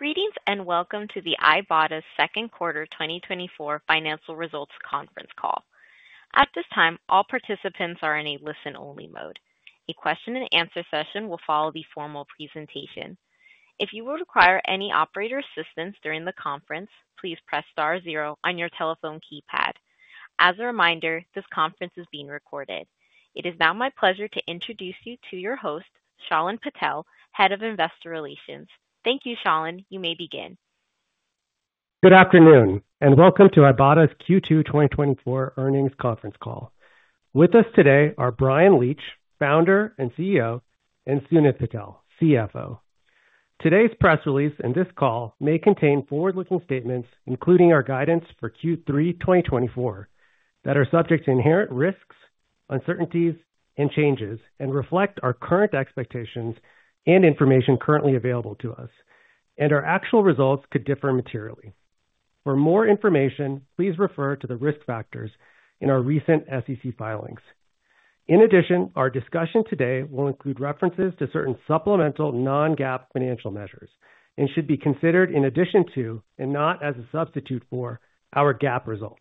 Greetings, and welcome to Ibotta's second quarter 2024 financial results conference call. At this time, all participants are in a listen-only mode. A question and answer session will follow the formal presentation. If you would require any operator assistance during the conference, please press star zero on your telephone keypad. As a reminder, this conference is being recorded. It is now my pleasure to introduce you to your host, Shalin Patel, Head of Investor Relations. Thank you, Shalin. You may begin. Good afternoon, and welcome to Ibotta's Q2 2024 earnings conference call. With us today are Bryan Leach, Founder and CEO, and Sunit Patel, CFO. Today's press release and this call may contain forward-looking statements, including our guidance for Q3 2024, that are subject to inherent risks, uncertainties, and changes, and reflect our current expectations and information currently available to us, and our actual results could differ materially. For more information, please refer to the risk factors in our recent SEC filings. In addition, our discussion today will include references to certain supplemental non-GAAP financial measures and should be considered in addition to, and not as a substitute for, our GAAP results.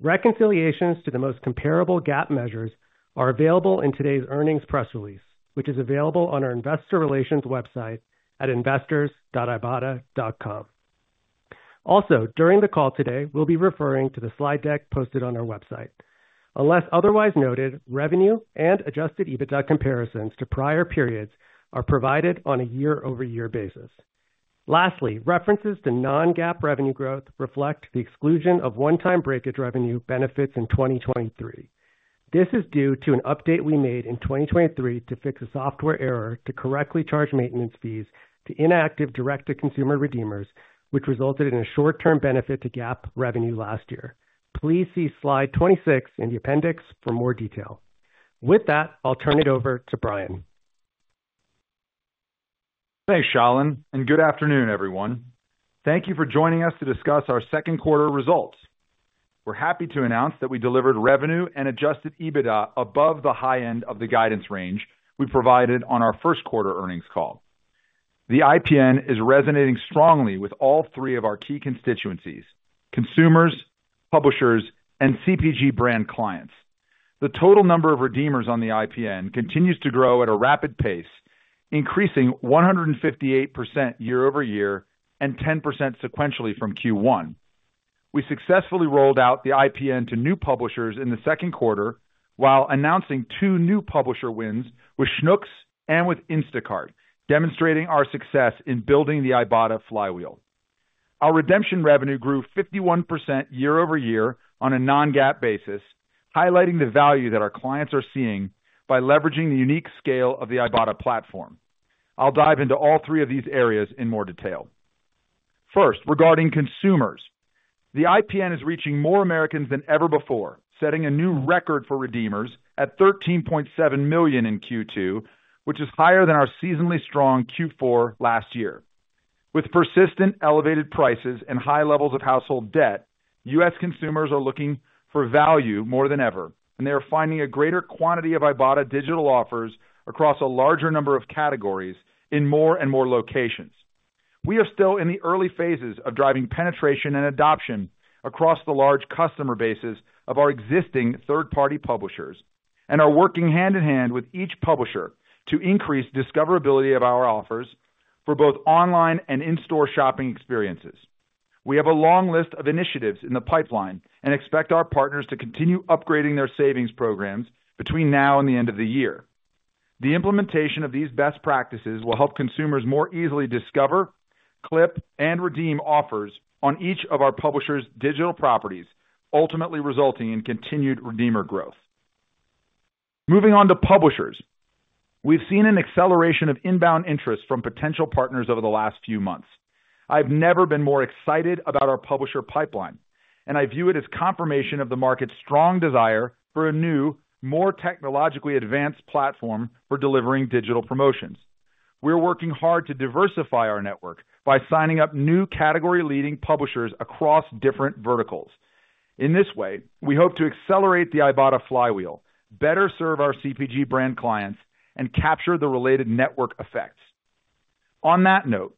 Reconciliations to the most comparable GAAP measures are available in today's earnings press release, which is available on our investor relations website at investors.ibotta.com. Also, during the call today, we'll be referring to the slide deck posted on our website. Unless otherwise noted, revenue and Adjusted EBITDA comparisons to prior periods are provided on a year-over-year basis. Lastly, references to non-GAAP revenue growth reflect the exclusion of one-time breakage revenue benefits in 2023. This is due to an update we made in 2023 to fix a software error to correctly charge maintenance fees to inactive direct-to-consumer redeemers, which resulted in a short-term benefit to GAAP revenue last year. Please see slide 26 in the appendix for more detail. With that, I'll turn it over to Bryan. Thanks, Shalin, and good afternoon, everyone. Thank you for joining us to discuss our second quarter results. We're happy to announce that we delivered revenue and Adjusted EBITDA above the high end of the guidance range we provided on our first quarter earnings call. The IPN is resonating strongly with all three of our key constituencies: consumers, publishers, and CPG brand clients. The total number of redeemers on the IPN continues to grow at a rapid pace, increasing 158% year-over-year and 10% sequentially from Q1. We successfully rolled out the IPN to new publishers in the second quarter while announcing 2 new publisher wins with Schnucks and with Instacart, demonstrating our success in building the Ibotta flywheel. Our redemption revenue grew 51% year-over-year on a non-GAAP basis, highlighting the value that our clients are seeing by leveraging the unique scale of the Ibotta platform. I'll dive into all three of these areas in more detail. First, regarding consumers. The IPN is reaching more Americans than ever before, setting a new record for redeemers at 13.7 million in Q2, which is higher than our seasonally strong Q4 last year. With persistent elevated prices and high levels of household debt, U.S. consumers are looking for value more than ever, and they are finding a greater quantity of Ibotta digital offers across a larger number of categories in more and more locations. We are still in the early phases of driving penetration and adoption across the large customer bases of our existing third-party publishers and are working hand in hand with each publisher to increase discoverability of our offers for both online and in-store shopping experiences. We have a long list of initiatives in the pipeline and expect our partners to continue upgrading their savings programs between now and the end of the year. The implementation of these best practices will help consumers more easily discover, clip, and redeem offers on each of our publishers' digital properties, ultimately resulting in continued redeemer growth. Moving on to publishers. We've seen an acceleration of inbound interest from potential partners over the last few months. I've never been more excited about our publisher pipeline, and I view it as confirmation of the market's strong desire for a new, more technologically advanced platform for delivering digital promotions. We're working hard to diversify our network by signing up new category-leading publishers across different verticals. In this way, we hope to accelerate the Ibotta flywheel, better serve our CPG brand clients, and capture the related network effects. On that note,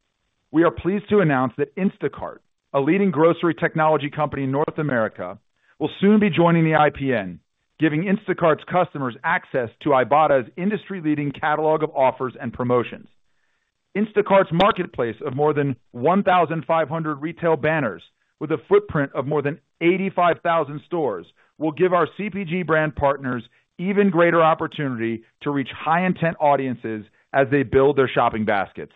we are pleased to announce that Instacart, a leading grocery technology company in North America, will soon be joining the IPN, giving Instacart's customers access to Ibotta's industry-leading catalog of offers and promotions. Instacart's marketplace of more than 1,500 retail banners with a footprint of more than 85,000 stores will give our CPG brand partners even greater opportunity to reach high-intent audiences as they build their shopping baskets.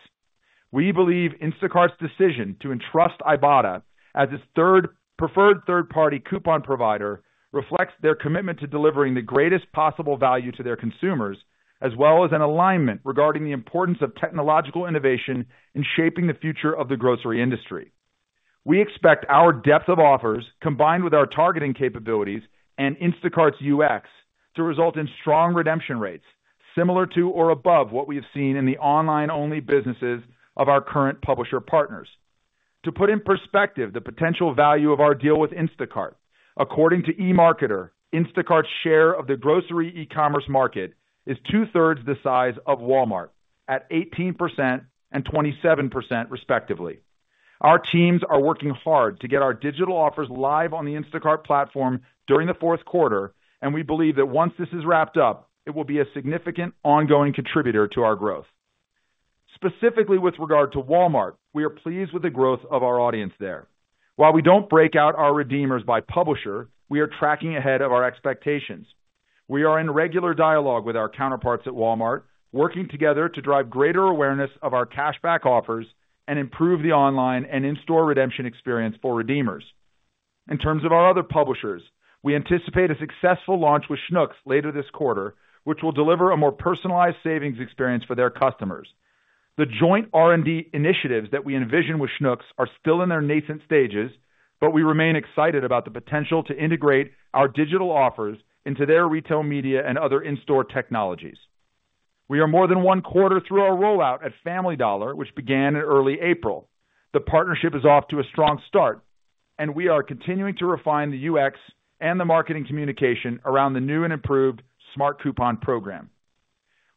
We believe Instacart's decision to entrust Ibotta as its preferred third-party coupon provider reflects their commitment to delivering the greatest possible value to their consumers, as well as an alignment regarding the importance of technological innovation in shaping the future of the grocery industry. We expect our depth of offers, combined with our targeting capabilities and Instacart's UX, to result in strong redemption rates, similar to or above what we have seen in the online-only businesses of our current publisher partners. To put in perspective the potential value of our deal with Instacart. According to eMarketer, Instacart's share of the grocery e-commerce market is two-thirds the size of Walmart, at 18% and 27%, respectively. Our teams are working hard to get our digital offers live on the Instacart platform during the fourth quarter, and we believe that once this is wrapped up, it will be a significant ongoing contributor to our growth. Specifically, with regard to Walmart, we are pleased with the growth of our audience there. While we don't break out our redeemers by publisher, we are tracking ahead of our expectations. We are in regular dialogue with our counterparts at Walmart, working together to drive greater awareness of our cashback offers and improve the online and in-store redemption experience for redeemers. In terms of our other publishers, we anticipate a successful launch with Schnucks later this quarter, which will deliver a more personalized savings experience for their customers. The joint R&D initiatives that we envision with Schnucks are still in their nascent stages, but we remain excited about the potential to integrate our digital offers into their retail media and other in-store technologies. We are more than one quarter through our rollout at Family Dollar, which began in early April. The partnership is off to a strong start, and we are continuing to refine the UX and the marketing communication around the new and improved Smart Coupons program.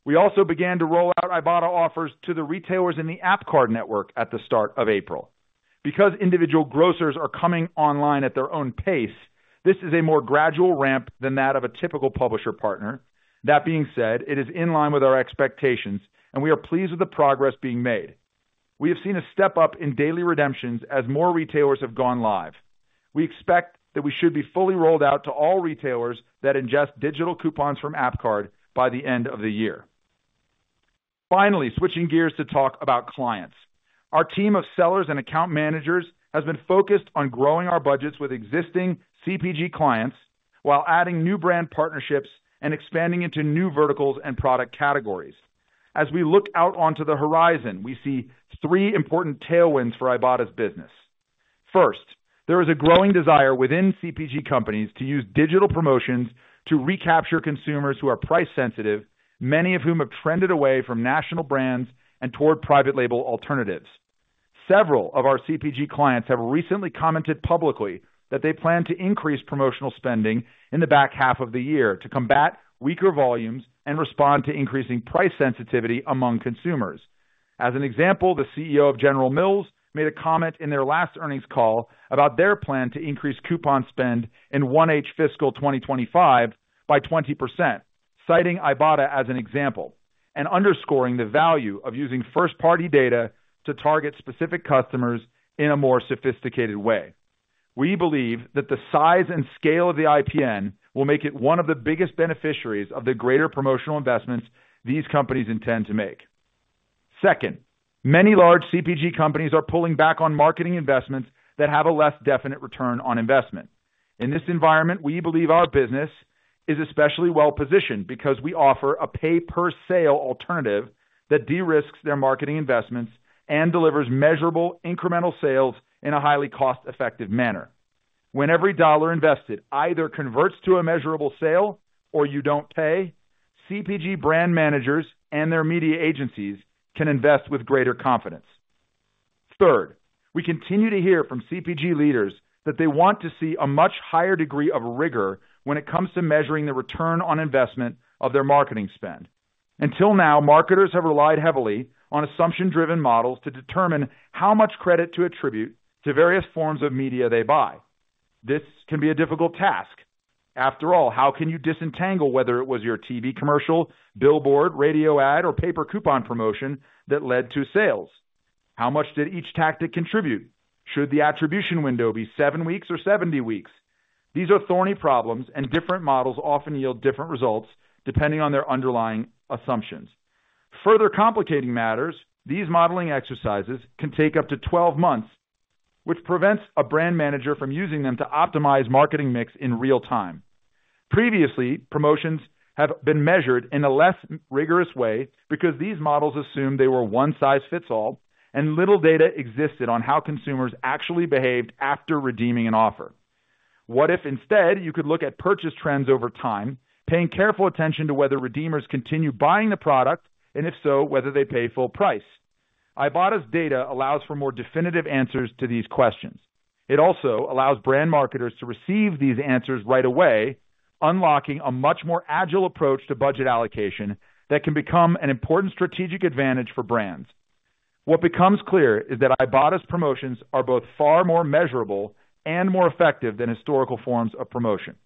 We also began to roll out Ibotta offers to the retailers in the AppCard network at the start of April. Because individual grocers are coming online at their own pace, this is a more gradual ramp than that of a typical publisher partner. That being said, it is in line with our expectations, and we are pleased with the progress being made. We have seen a step-up in daily redemptions as more retailers have gone live. We expect that we should be fully rolled out to all retailers that ingest digital coupons from AppCard by the end of the year. Finally, switching gears to talk about clients. Our team of sellers and account managers has been focused on growing our budgets with existing CPG clients, while adding new brand partnerships and expanding into new verticals and product categories. As we look out onto the horizon, we see three important tailwinds for Ibotta's business. First, there is a growing desire within CPG companies to use digital promotions to recapture consumers who are price-sensitive, many of whom have trended away from national brands and toward private label alternatives. Several of our CPG clients have recently commented publicly that they plan to increase promotional spending in the back half of the year to combat weaker volumes and respond to increasing price sensitivity among consumers. As an example, the CEO of General Mills made a comment in their last earnings call about their plan to increase coupon spend in 1H fiscal 2025 by 20%, citing Ibotta as an example, and underscoring the value of using first-party data to target specific customers in a more sophisticated way. We believe that the size and scale of the IPN will make it one of the biggest beneficiaries of the greater promotional investments these companies intend to make. Second, many large CPG companies are pulling back on marketing investments that have a less definite return on investment. In this environment, we believe our business is especially well-positioned because we offer a pay-per-sale alternative that de-risks their marketing investments and delivers measurable, incremental sales in a highly cost-effective manner. When every dollar invested either converts to a measurable sale or you don't pay, CPG brand managers and their media agencies can invest with greater confidence. Third, we continue to hear from CPG leaders that they want to see a much higher degree of rigor when it comes to measuring the return on investment of their marketing spend. Until now, marketers have relied heavily on assumption-driven models to determine how much credit to attribute to various forms of media they buy. This can be a difficult task. After all, how can you disentangle whether it was your TV commercial, billboard, radio ad, or paper coupon promotion that led to sales? How much did each tactic contribute? Should the attribution window be 7 weeks or 70 weeks? These are thorny problems, and different models often yield different results, depending on their underlying assumptions. Further complicating matters, these modeling exercises can take up to 12 months, which prevents a brand manager from using them to optimize marketing mix in real time. Previously, promotions have been measured in a less rigorous way because these models assumed they were one size fits all, and little data existed on how consumers actually behaved after redeeming an offer. What if, instead, you could look at purchase trends over time, paying careful attention to whether redeemers continue buying the product, and if so, whether they pay full price? Ibotta's data allows for more definitive answers to these questions. It also allows brand marketers to receive these answers right away, unlocking a much more agile approach to budget allocation that can become an important strategic advantage for brands. What becomes clear is that Ibotta's promotions are both far more measurable and more effective than historical forms of promotion.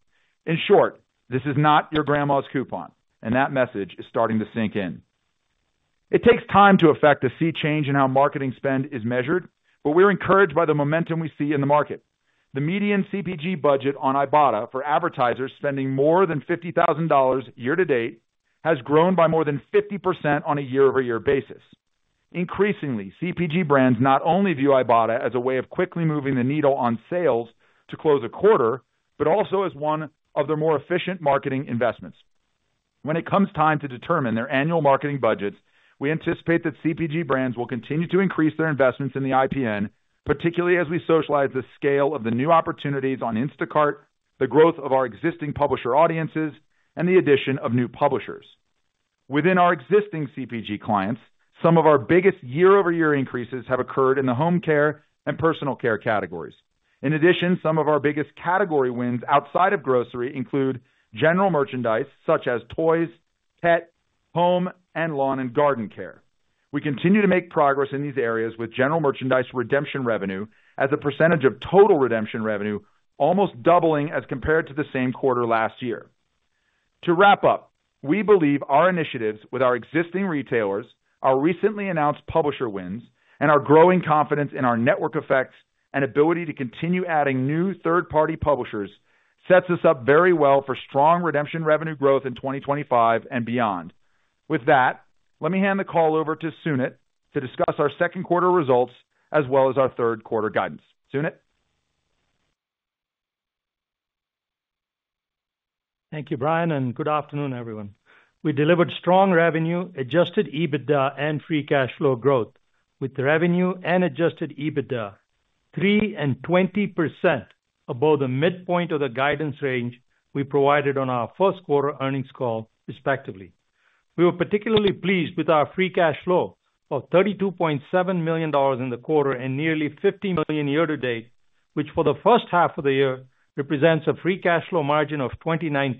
In short, this is not your grandma's coupon, and that message is starting to sink in. It takes time to effect to see change in how marketing spend is measured, but we're encouraged by the momentum we see in the market. The median CPG budget on Ibotta for advertisers spending more than $50,000 year to date, has grown by more than 50% on a year-over-year basis. Increasingly, CPG brands not only view Ibotta as a way of quickly moving the needle on sales to close a quarter, but also as one of their more efficient marketing investments. When it comes time to determine their annual marketing budgets, we anticipate that CPG brands will continue to increase their investments in the IPN, particularly as we socialize the scale of the new opportunities on Instacart, the growth of our existing publisher audiences, and the addition of new publishers. Within our existing CPG clients, some of our biggest year-over-year increases have occurred in the home care and personal care categories. In addition, some of our biggest category wins outside of grocery include general merchandise, such as toys, pet, home, and lawn and garden care. We continue to make progress in these areas with general merchandise redemption revenue as a percentage of total redemption revenue, almost doubling as compared to the same quarter last year. To wrap up, we believe our initiatives with our existing retailers, our recently announced publisher wins, and our growing confidence in our network effects and ability to continue adding new third-party publishers, sets us up very well for strong redemption revenue growth in 2025 and beyond. With that, let me hand the call over to Sunit to discuss our second quarter results as well as our third quarter guidance. Sunit? Thank you, Bryan, and good afternoon, everyone. We delivered strong revenue, adjusted EBITDA and free cash flow growth, with revenue and adjusted EBITDA 3% and 20% above the midpoint of the guidance range we provided on our first quarter earnings call, respectively. We were particularly pleased with our free cash flow of $32.7 million in the quarter and nearly $50 million year to date, which for the first half of the year represents a free cash flow margin of 29%.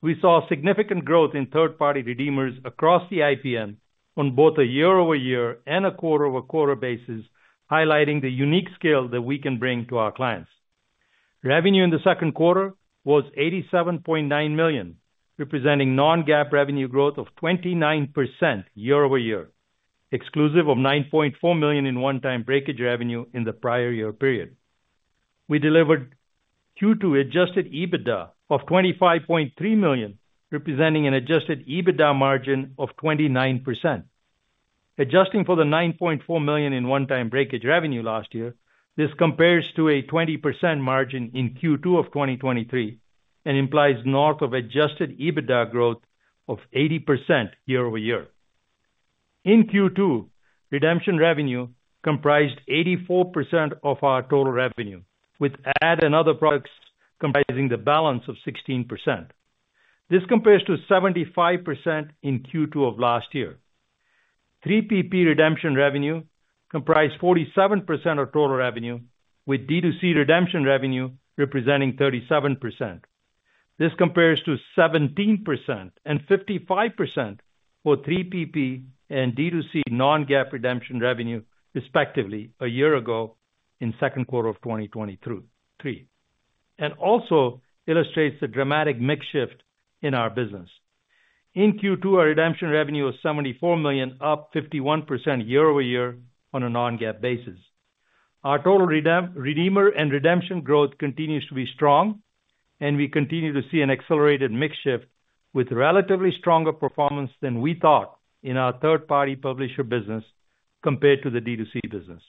We saw significant growth in third-party redeemers across the IPN on both a year-over-year and a quarter-over-quarter basis, highlighting the unique scale that we can bring to our clients. Revenue in the second quarter was $87.9 million, representing non-GAAP revenue growth of 29% year-over-year, exclusive of $9.4 million in one-time breakage revenue in the prior year period. We delivered Q2 adjusted EBITDA of $25.3 million, representing an adjusted EBITDA margin of 29%. Adjusting for the $9.4 million in one-time breakage revenue last year, this compares to a 20% margin in Q2 of 2023, and implies north of 80% adjusted EBITDA growth year-over-year. In Q2, redemption revenue comprised 84% of our total revenue, with ad and other products comprising the balance of 16%. This compares to 75% in Q2 of last year. 3PP redemption revenue comprised 47% of total revenue, with D2C redemption revenue representing 37%. This compares to 17% and 55% for 3PP and D2C non-GAAP redemption revenue, respectively, a year ago in second quarter of 2023. And also illustrates the dramatic mix shift in our business. In Q2, our redemption revenue was $74 million, up 51% year-over-year on a non-GAAP basis. Our total redeemer and redemption growth continues to be strong, and we continue to see an accelerated mix shift with relatively stronger performance than we thought in our third-party publisher business compared to the D2C business.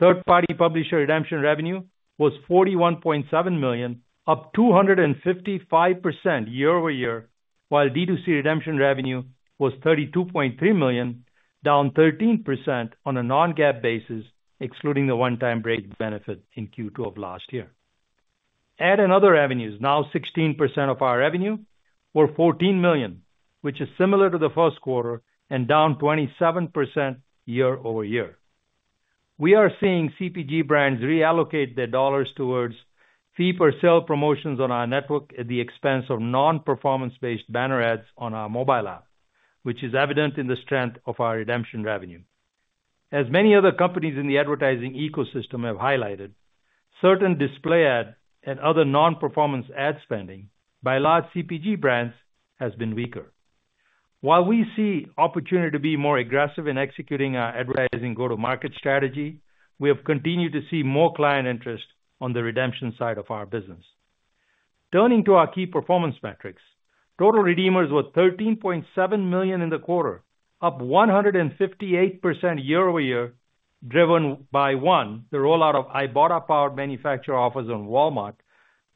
Third-party publisher redemption revenue was $41.7 million, up 255% year-over-year, while D2C redemption revenue was $32.3 million, down 13% on a non-GAAP basis, excluding the one-time breakage benefit in Q2 of last year. Ad and other revenues, now 16% of our revenue, were $14 million, which is similar to the first quarter and down 27% year-over-year. We are seeing CPG brands reallocate their dollars towards fee per sale promotions on our network at the expense of non-performance-based banner ads on our mobile app, which is evident in the strength of our redemption revenue. As many other companies in the advertising ecosystem have highlighted, certain display ad and other non-performance ad spending by large CPG brands has been weaker. While we see opportunity to be more aggressive in executing our advertising go-to-market strategy, we have continued to see more client interest on the redemption side of our business. Turning to our key performance metrics. Total redeemers were 13.7 million in the quarter, up 158% year-over-year, driven by, one, the rollout of Ibotta-powered manufacturer offers on Walmart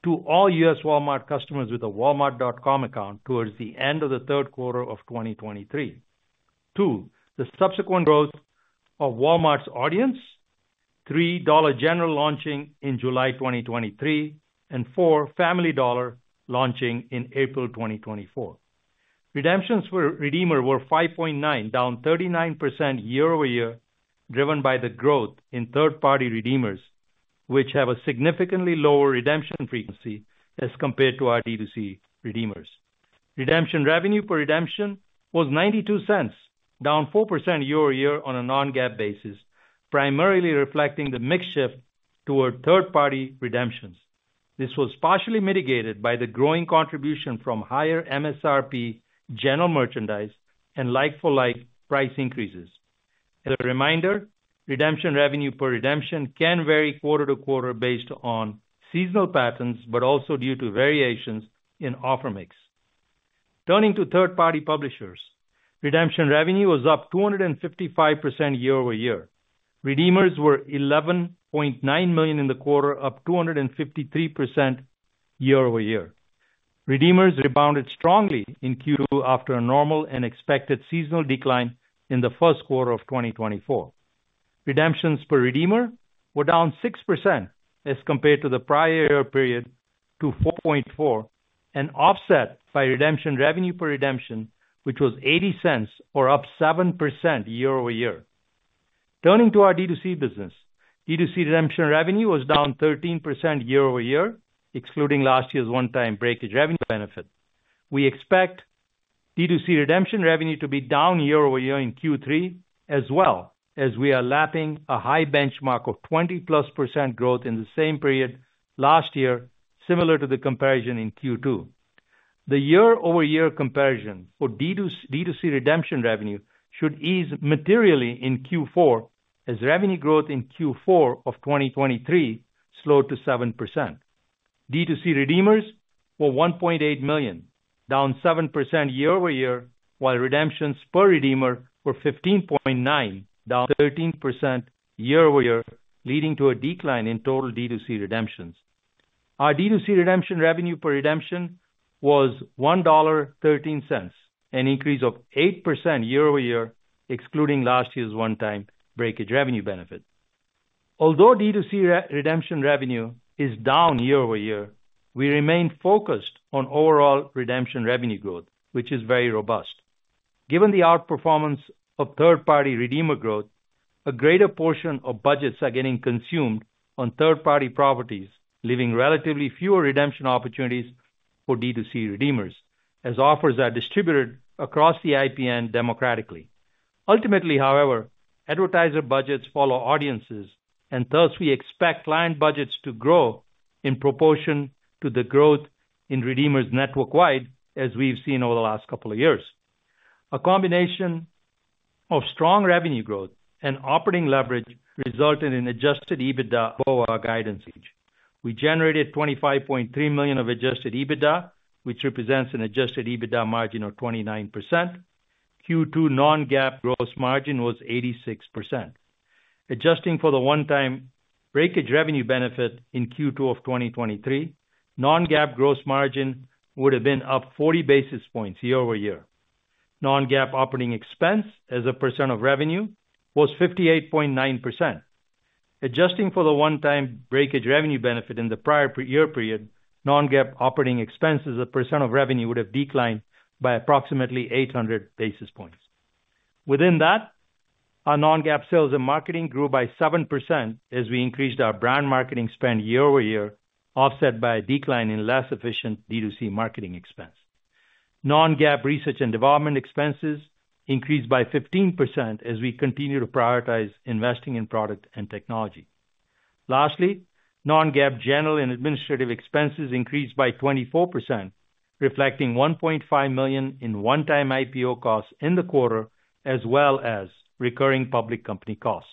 to all U.S. Walmart customers with a Walmart.com account towards the end of the third quarter of 2023. 2, the subsequent growth of Walmart's audience. 3, Dollar General launching in July 2023, and 4, Family Dollar launching in April 2024. Redemptions per redeemer were 5.9, down 39% year-over-year, driven by the growth in third-party redeemers, which have a significantly lower redemption frequency as compared to our D2C redeemers. Redemption revenue per redemption was $0.92, down 4% year-over-year on a non-GAAP basis, primarily reflecting the mix shift toward third-party redemptions. This was partially mitigated by the growing contribution from higher MSRP, general merchandise, and like-for-like price increases. As a reminder, redemption revenue per redemption can vary quarter-to-quarter based on seasonal patterns, but also due to variations in offer mix. Turning to third-party publishers, redemption revenue was up 255% year-over-year. Redeemers were 11.9 million in the quarter, up 253% year-over-year. Redeemers rebounded strongly in Q2 after a normal and expected seasonal decline in the first quarter of 2024. Redemptions per redeemer were down 6% as compared to the prior year period to 4.4, and offset by redemption revenue per redemption, which was $0.80 or up 7% year-over-year. Turning to our D2C business. D2C redemption revenue was down 13% year-over-year, excluding last year's one-time breakage revenue benefit. We expect D2C redemption revenue to be down year-over-year in Q3 as well, as we are lapping a high benchmark of 20%+ growth in the same period last year, similar to the comparison in Q2. The year-over-year comparison for D2C redemption revenue should ease materially in Q4, as revenue growth in Q4 of 2023 slowed to 7%. D2C redeemers were 1.8 million, down 7% year-over-year, while redemptions per redeemer were 15.9, down 13% year-over-year, leading to a decline in total D2C redemptions. Our D2C redemption revenue per redemption was $1.13, an increase of 8% year-over-year, excluding last year's one-time breakage revenue benefit. Although D2C redemption revenue is down year-over-year, we remain focused on overall redemption revenue growth, which is very robust. Given the outperformance of third-party redeemer growth, a greater portion of budgets are getting consumed on third-party properties, leaving relatively fewer redemption opportunities for D2C redeemers, as offers are distributed across the IPN democratically. Ultimately, however, advertiser budgets follow audiences, and thus we expect client budgets to grow in proportion to the growth in redeemers network-wide, as we've seen over the last couple of years. A combination of strong revenue growth and operating leverage resulted in Adjusted EBITDA above our guidance range. We generated $25.3 million of Adjusted EBITDA, which represents an Adjusted EBITDA margin of 29%. Q2 non-GAAP gross margin was 86%. Adjusting for the one-time breakage revenue benefit in Q2 of 2023, non-GAAP gross margin would have been up 40 basis points year-over-year. Non-GAAP operating expense as a percent of revenue was 58.9%. Adjusting for the one-time breakage revenue benefit in the prior-year period, non-GAAP operating expense as a percent of revenue would have declined by approximately 800 basis points. Within that, our non-GAAP sales and marketing grew by 7% as we increased our brand marketing spend year-over-year, offset by a decline in less efficient D2C marketing expense. Non-GAAP research and development expenses increased by 15% as we continue to prioritize investing in product and technology. Lastly, non-GAAP general and administrative expenses increased by 24%, reflecting $1.5 million in one-time IPO costs in the quarter, as well as recurring public company costs.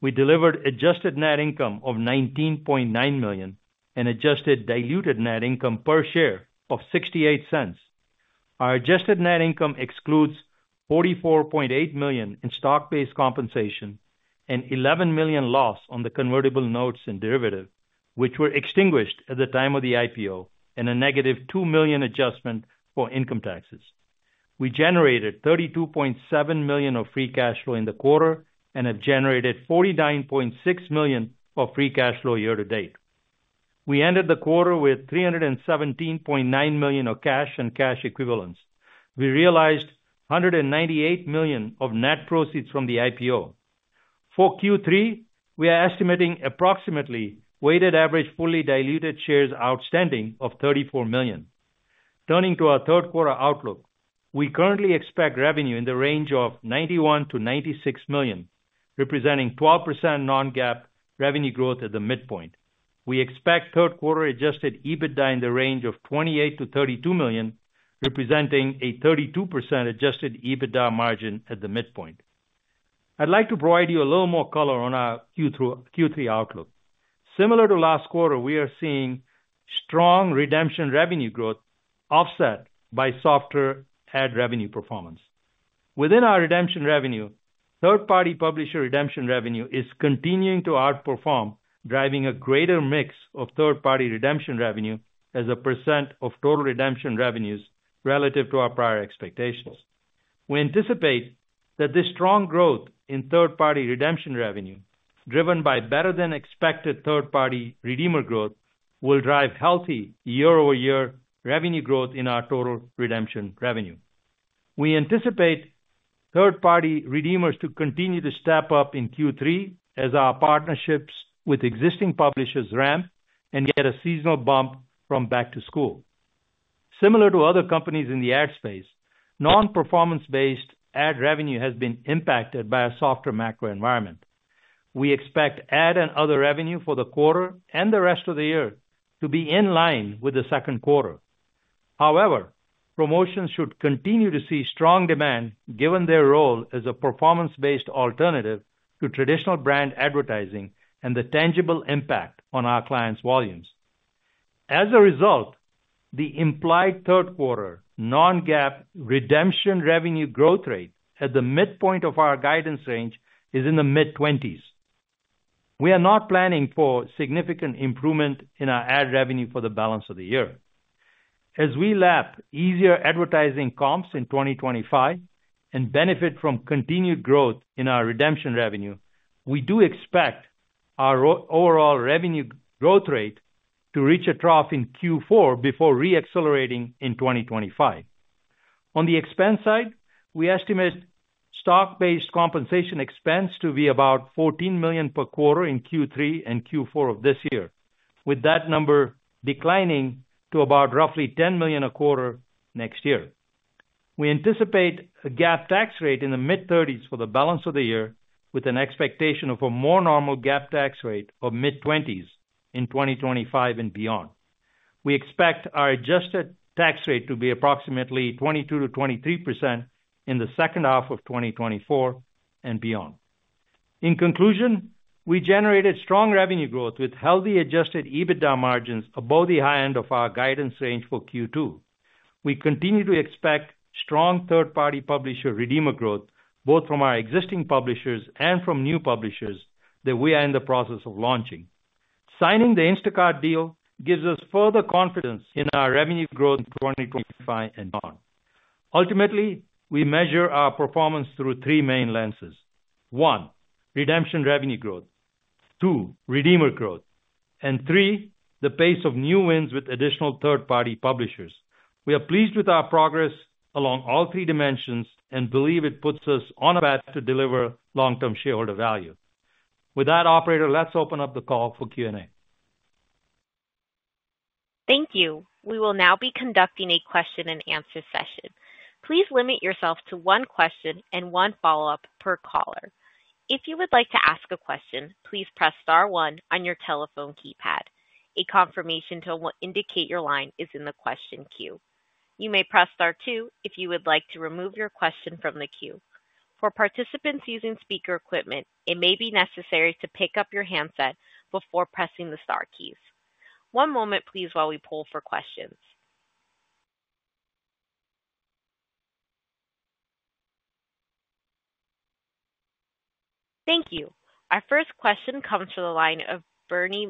We delivered adjusted net income of $19.9 million and adjusted diluted net income per share of $0.68. Our adjusted net income excludes $44.8 million in stock-based compensation and $11 million loss on the convertible notes and derivative, which were extinguished at the time of the IPO, and a -$2 million adjustment for income taxes. We generated $32.7 million of free cash flow in the quarter and have generated $49.6 million of free cash flow year to date. We ended the quarter with $317.9 million of cash and cash equivalents. We realized $198 million of net proceeds from the IPO. For Q3, we are estimating approximately weighted average, fully diluted shares outstanding of 34 million. Turning to our third quarter outlook, we currently expect revenue in the range of $91 million-$96 million, representing 12% non-GAAP revenue growth at the midpoint. We expect third quarter adjusted EBITDA in the range of $28 million-$32 million, representing a 32% adjusted EBITDA margin at the midpoint. I'd like to provide you a little more color on our Q3 outlook. Similar to last quarter, we are seeing strong redemption revenue growth, offset by softer ad revenue performance. Within our redemption revenue, third-party publisher redemption revenue is continuing to outperform, driving a greater mix of third-party redemption revenue as a % of total redemption revenues relative to our prior expectations. We anticipate that this strong growth in third-party redemption revenue, driven by better than expected third-party redeemer growth, will drive healthy year-over-year revenue growth in our total redemption revenue. We anticipate third-party redeemers to continue to step up in Q3 as our partnerships with existing publishers ramp and get a seasonal bump from back to school. Similar to other companies in the ad space, non-performance based ad revenue has been impacted by a softer macro environment. We expect ad and other revenue for the quarter and the rest of the year to be in line with the second quarter. However, promotions should continue to see strong demand, given their role as a performance-based alternative to traditional brand advertising and the tangible impact on our clients' volumes. As a result, the implied third quarter non-GAAP redemption revenue growth rate at the midpoint of our guidance range is in the mid-20s. We are not planning for significant improvement in our ad revenue for the balance of the year. As we lap easier advertising comps in 2025 and benefit from continued growth in our redemption revenue, we do expect our overall revenue growth rate to reach a trough in Q4 before re-accelerating in 2025. On the expense side, we estimate stock-based compensation expense to be about $14 million per quarter in Q3 and Q4 of this year, with that number declining to about roughly $10 million a quarter next year. We anticipate a GAAP tax rate in the mid-30s for the balance of the year, with an expectation of a more normal GAAP tax rate of mid-20s in 2025 and beyond. We expect our adjusted tax rate to be approximately 22%-23% in the second half of 2024 and beyond. In conclusion, we generated strong revenue growth with healthy adjusted EBITDA margins above the high end of our guidance range for Q2. We continue to expect strong third-party publisher redeemer growth, both from our existing publishers and from new publishers that we are in the process of launching. Signing the Instacart deal gives us further confidence in our revenue growth in 2025 and on. Ultimately, we measure our performance through three main lenses. 1, redemption revenue growth. 2, redeemer growth, and 3, the pace of new wins with additional third-party publishers. We are pleased with our progress along all three dimensions and believe it puts us on a path to deliver long-term shareholder value. With that, operator, let's open up the call for Q&A. Thank you. We will now be conducting a question-and-answer session. Please limit yourself to one question and one follow-up per caller. If you would like to ask a question, please press star one on your telephone keypad. A confirmation tone will indicate your line is in the question queue. You may press star two if you would like to remove your question from the queue. For participants using speaker equipment, it may be necessary to pick up your handset before pressing the star keys. One moment, please, while we poll for questions. Thank you. Our first question comes from the line of Bernie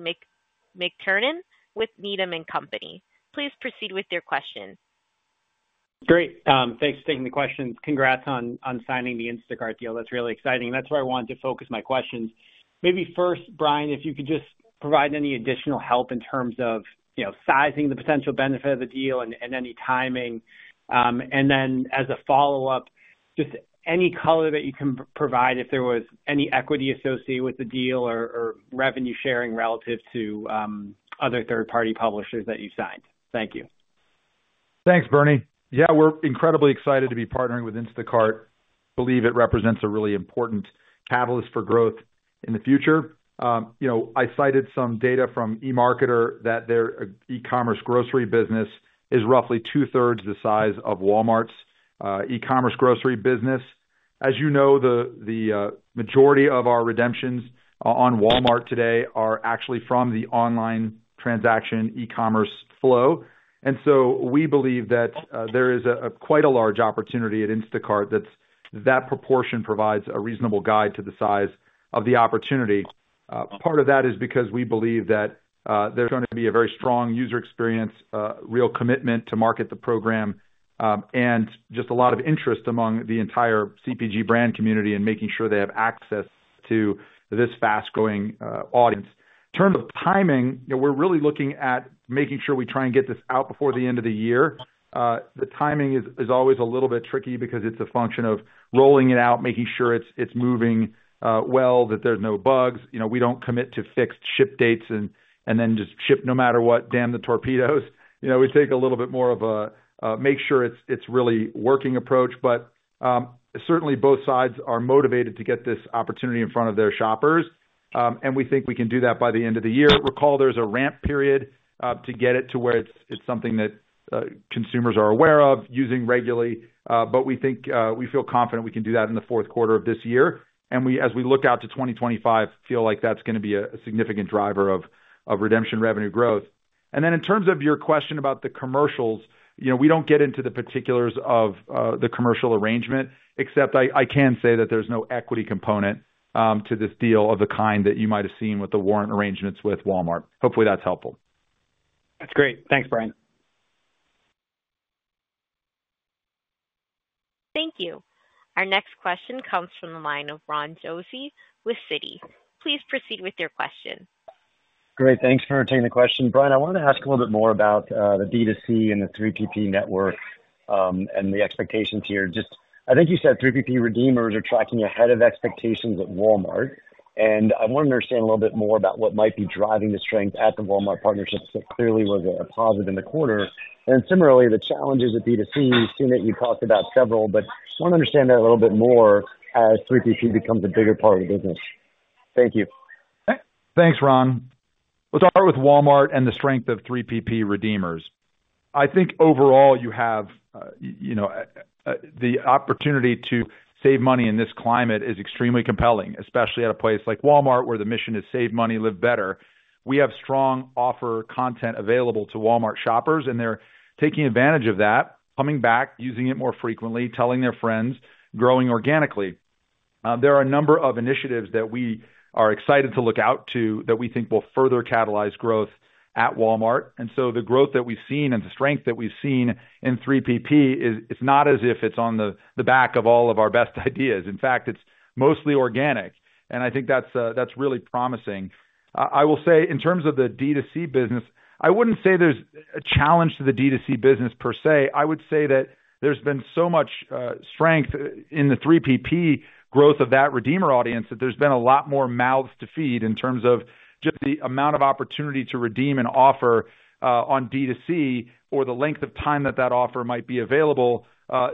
McTernan with Needham & Company. Please proceed with your question. Great. Thanks for taking the questions. Congrats on signing the Instacart deal. That's really exciting. That's where I want to focus my questions. Maybe first, Bryan, if you could just provide any additional help in terms of, you know, sizing the potential benefit of the deal and any timing. And then as a follow-up, just any color that you can provide if there was any equity associated with the deal or revenue sharing relative to other third-party publishers that you signed. Thank you. Thanks, Bernie. Yeah, we're incredibly excited to be partnering with Instacart. Believe it represents a really important catalyst for growth in the future. You know, I cited some data from eMarketer that their e-commerce grocery business is roughly 2/3 the size of Walmart's e-commerce grocery business. As you know, the majority of our redemptions on Walmart today are actually from the online transaction e-commerce flow. And so we believe that there is quite a large opportunity at Instacart that's. That proportion provides a reasonable guide to the size of the opportunity. Part of that is because we believe that there's going to be a very strong user experience, a real commitment to market the program, and just a lot of interest among the entire CPG brand community and making sure they have access to this fast-growing audience. In terms of timing, you know, we're really looking at making sure we try and get this out before the end of the year. The timing is always a little bit tricky because it's a function of rolling it out, making sure it's moving well, that there's no bugs. You know, we don't commit to fixed ship dates and then just ship no matter what, damn the torpedoes. You know, we take a little bit more of a make sure it's really working approach, but certainly both sides are motivated to get this opportunity in front of their shoppers, and we think we can do that by the end of the year. Recall, there's a ramp period to get it to where it's something that consumers are aware of using regularly, but we think we feel confident we can do that in the fourth quarter of this year. And we- as we look out to 2025, feel like that's gonna be a significant driver of redemption revenue growth. And then in terms of your question about the commercials, you know, we don't get into the particulars of the commercial arrangement, except I can say that there's no equity component to this deal of the kind that you might have seen with the warrant arrangements with Walmart. Hopefully, that's helpful. That's great. Thanks, Bryan. Thank you. Our next question comes from the line of Ron Josey with Citi. Please proceed with your question. Great. Thanks for taking the question. Bryan, I wanted to ask a little bit more about the B2C and the 3PP network, and the expectations here. Just I think you said 3PP redeemers are tracking ahead of expectations at Walmart, and I want to understand a little bit more about what might be driving the strength at the Walmart partnership. So clearly was a positive in the quarter. And then similarly, the challenges with B2C. I've seen that you talked about several, but I want to understand that a little bit more as 3PP becomes a bigger part of the business. Thank you. Thanks, Ron. Let's start with Walmart and the strength of 3PP redeemers. I think overall, you have, you know, the opportunity to save money in this climate is extremely compelling, especially at a place like Walmart, where the mission is save money, live better. We have strong offer content available to Walmart shoppers, and they're taking advantage of that, coming back, using it more frequently, telling their friends, growing organically. There are a number of initiatives that we are excited to look out to that we think will further catalyze growth at Walmart. And so the growth that we've seen and the strength that we've seen in 3PP is, it's not as if it's on the, the back of all of our best ideas. In fact, it's mostly organic, and I think that's, that's really promising. I will say in terms of the D2C business, I wouldn't say there's a challenge to the D2C business per se. I would say that there's been so much strength in the 3PP growth of that redeemer audience, that there's been a lot more mouths to feed in terms of just the amount of opportunity to redeem and offer on D2C, or the length of time that that offer might be available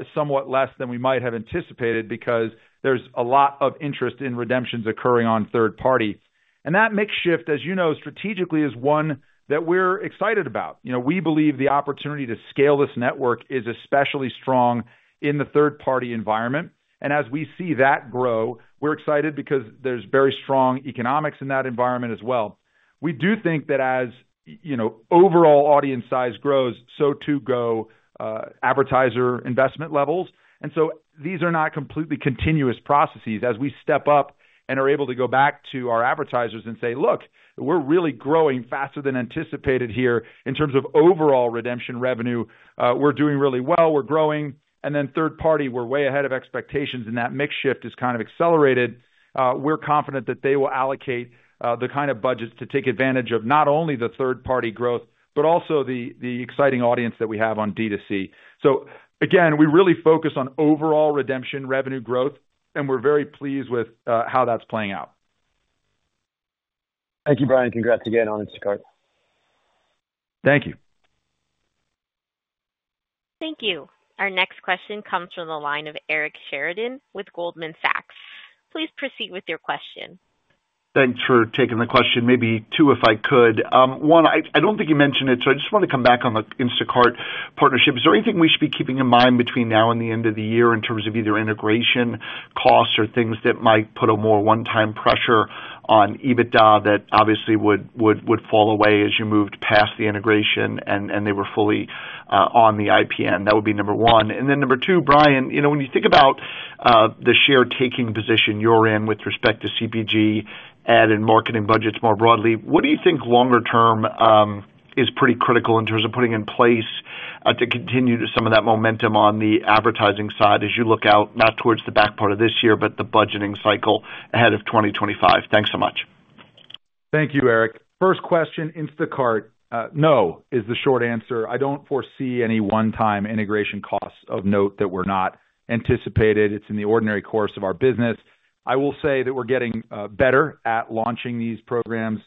is somewhat less than we might have anticipated, because there's a lot of interest in redemptions occurring on third party. And that mix shift, as you know, strategically, is one that we're excited about. You know, we believe the opportunity to scale this network is especially strong in the third party environment. And as we see that grow, we're excited because there's very strong economics in that environment as well. We do think that as you know, overall audience size grows, so too go advertiser investment levels. So these are not completely continuous processes. As we step up and are able to go back to our advertisers and say, "Look, we're really growing faster than anticipated here in terms of overall redemption revenue. We're doing really well, we're growing, and then third party, we're way ahead of expectations, and that mix shift is kind of accelerated." We're confident that they will allocate the kind of budgets to take advantage of not only the third party growth, but also the exciting audience that we have on D2C. So again, we really focus on overall redemption revenue growth, and we're very pleased with how that's playing out. Thank you, Bryan. Congrats again on Instacart. Thank you. Thank you. Our next question comes from the line of Eric Sheridan with Goldman Sachs. Please proceed with your question. Thanks for taking the question. Maybe 2, if I could. One, I don't think you mentioned it, so I just want to come back on the Instacart partnership. Is there anything we should be keeping in mind between now and the end of the year in terms of either integration costs or things that might put a more one-time pressure on EBITDA that obviously would fall away as you moved past the integration and they were fully on the IPN? That would be number 1. And then number 2, Bryan, you know, when you think about, the share taking position you're in with respect to CPG, ad and marketing budgets more broadly, what do you think longer term, is pretty critical in terms of putting in place, to continue to some of that momentum on the advertising side as you look out, not towards the back part of this year, but the budgeting cycle ahead of 2025? Thanks so much. Thank you, Eric. First question, Instacart. No is the short answer. I don't foresee any one-time integration costs of note that were not anticipated. It's in the ordinary course of our business. I will say that we're getting better at launching these programs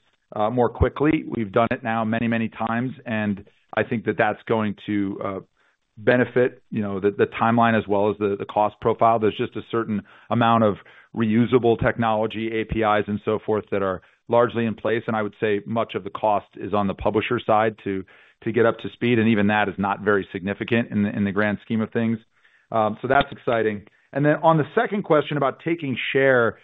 more quickly. We've done it now many, many times, and I think that that's going to benefit, you know, the timeline as well as the cost profile. There's just a certain amount of reusable technology, APIs and so forth, that are largely in place, and I would say much of the cost is on the publisher side to get up to speed, and even that is not very significant in the grand scheme of things. So that's exciting. Then on the second question about taking share,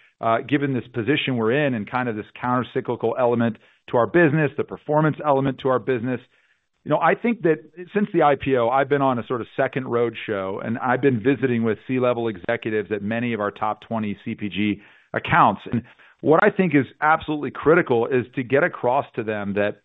given this position we're in and kind of this countercyclical element to our business, the performance element to our business, you know, I think that since the IPO, I've been on a sort of second roadshow, and I've been visiting with C-level executives at many of our top 20 CPG accounts. What I think is absolutely critical is to get across to them that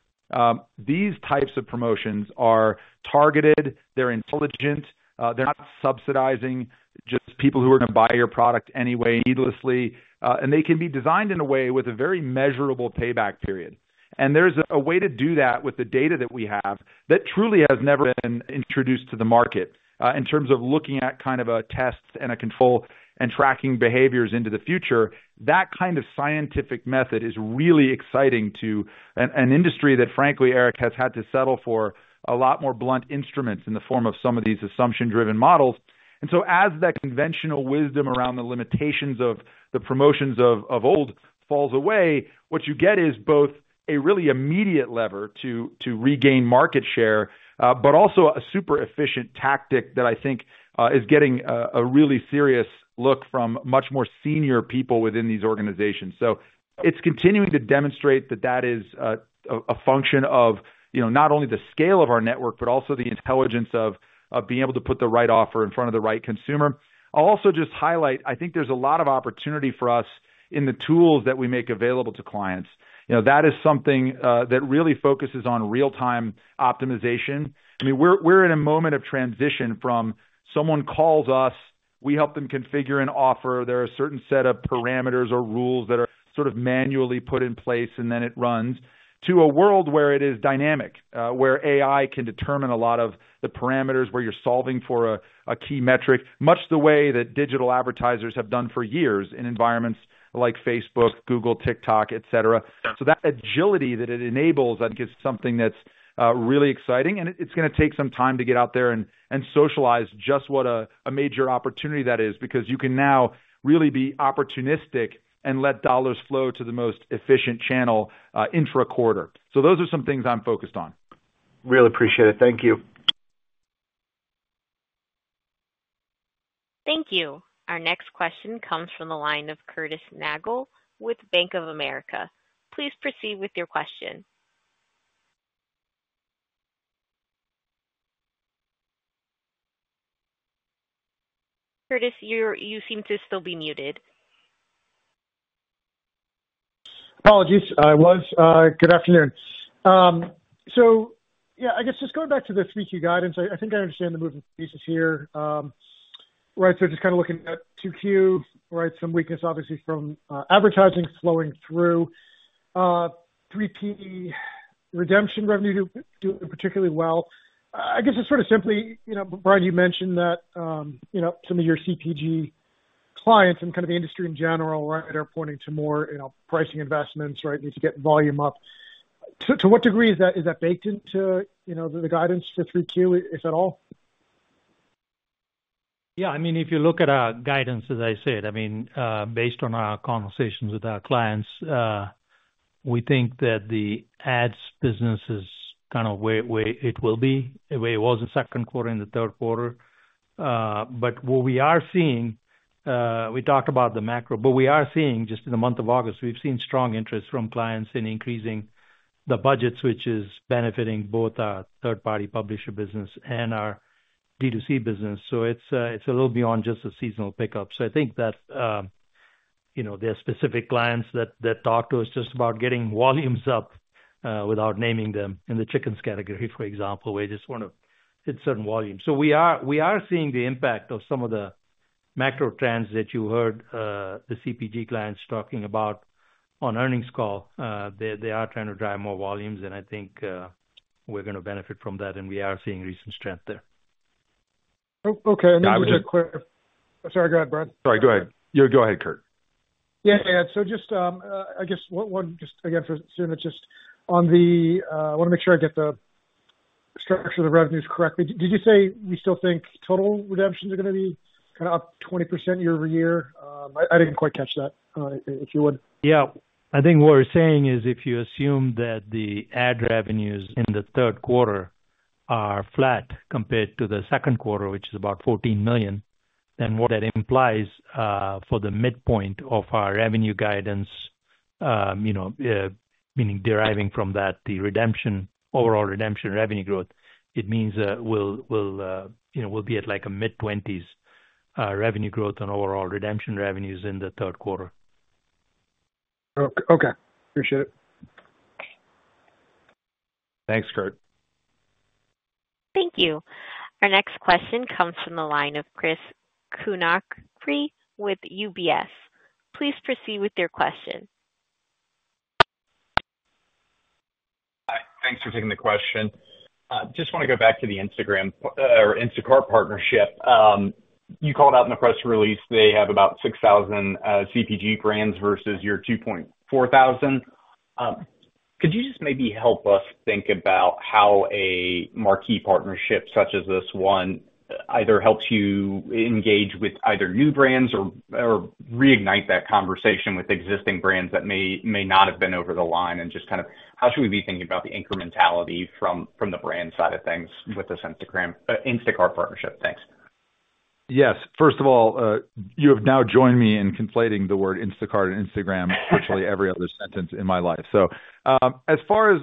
these types of promotions are targeted, they're intelligent, they're not subsidizing just people who are going to buy your product anyway needlessly, and they can be designed in a way with a very measurable payback period. There's a way to do that with the data that we have that truly has never been introduced to the market. In terms of looking at kind of a test and a control and tracking behaviors into the future, that kind of scientific method is really exciting to an industry that, frankly, Eric, has had to settle for a lot more blunt instruments in the form of some of these assumption-driven models. And so as that conventional wisdom around the limitations of the promotions of old falls away, what you get is both a really immediate lever to regain market share, but also a super efficient tactic that I think is getting a really serious look from much more senior people within these organizations. So it's continuing to demonstrate that that is a function of, you know, not only the scale of our network, but also the intelligence of being able to put the right offer in front of the right consumer. I'll also just highlight, I think there's a lot of opportunity for us in the tools that we make available to clients. You know, that is something that really focuses on real-time optimization. I mean, we're in a moment of transition from someone calls us, we help them configure an offer. There are a certain set of parameters or rules that are sort of manually put in place, and then it runs. To a world where it is dynamic, where AI can determine a lot of the parameters, where you're solving for a key metric, much the way that digital advertisers have done for years in environments like Facebook, Google, TikTok, et cetera. So that agility that it enables, I think, is something that's really exciting, and it's gonna take some time to get out there and socialize just what a major opportunity that is, because you can now really be opportunistic and let dollars flow to the most efficient channel, intra-quarter. So those are some things I'm focused on. Really appreciate it. Thank you. Thank you. Our next question comes from the line of Curtis Nagle with Bank of America. Please proceed with your question.... Curtis, you're, you seem to still be muted. Apologies. I was. Good afternoon. So yeah, I guess just going back to the 3Q guidance, I think I understand the moving pieces here. Right. So just kind of looking at 2Q, right? Some weakness, obviously, from advertising flowing through, 3P redemption revenue doing particularly well. I guess it's sort of simply, you know, Bryan, you mentioned that, you know, some of your CPG clients and kind of the industry in general, right, are pointing to more, you know, pricing investments, right? Need to get volume up. To what degree is that baked into the guidance to 3Q, if at all? Yeah, I mean, if you look at our guidance, as I said, I mean, based on our conversations with our clients, we think that the ads business is kind of way, way it will be, the way it was in second quarter and the third quarter. But what we are seeing, we talked about the macro, but we are seeing just in the month of August, we've seen strong interest from clients in increasing the budgets, which is benefiting both our third-party publisher business and our D2C business. So it's, it's a little beyond just a seasonal pickup. So I think that, you know, there are specific clients that, that talk to us just about getting volumes up, without naming them in the chickens category, for example, we just want to hit certain volumes. So we are seeing the impact of some of the macro trends that you heard, the CPG clients talking about on earnings call. They are trying to drive more volumes, and I think, we're gonna benefit from that, and we are seeing recent strength there. Oh, okay. Let me just clear... Sorry. Go ahead, Bryan. Sorry, go ahead. Yeah, go ahead, Curt. Yeah, yeah. So just, I guess, to assume it's just on the, I wanna make sure I get the structure of the revenues correctly. Did you say we still think total redemptions are gonna be kind of up 20% year-over-year? I didn't quite catch that, if you would. Yeah. I think what we're saying is, if you assume that the ad revenues in the third quarter are flat compared to the second quarter, which is about $14 million, then what that implies, for the midpoint of our revenue guidance, you know, meaning deriving from that, the redemption, overall redemption revenue growth, it means that we'll, we'll, you know, we'll be at, like, a mid-20s% revenue growth on overall redemption revenues in the third quarter. Okay. Appreciate it. Thanks, Curt. Thank you. Our next question comes from the line of Chris Kuntarich with UBS. Please proceed with your question. Hi, thanks for taking the question. Just want to go back to the Instacart partnership. You called out in the press release they have about 6,000 CPG brands versus your 2.4 thousand. Could you just maybe help us think about how a marquee partnership such as this one either helps you engage with either new brands or reignite that conversation with existing brands that may not have been over the line? And just kind of how should we be thinking about the incrementality from the brand side of things with this Instacart partnership? Thanks. Yes. First of all, you have now joined me in conflating the word Instacart and Instagram, actually, every other sentence in my life. So, as far as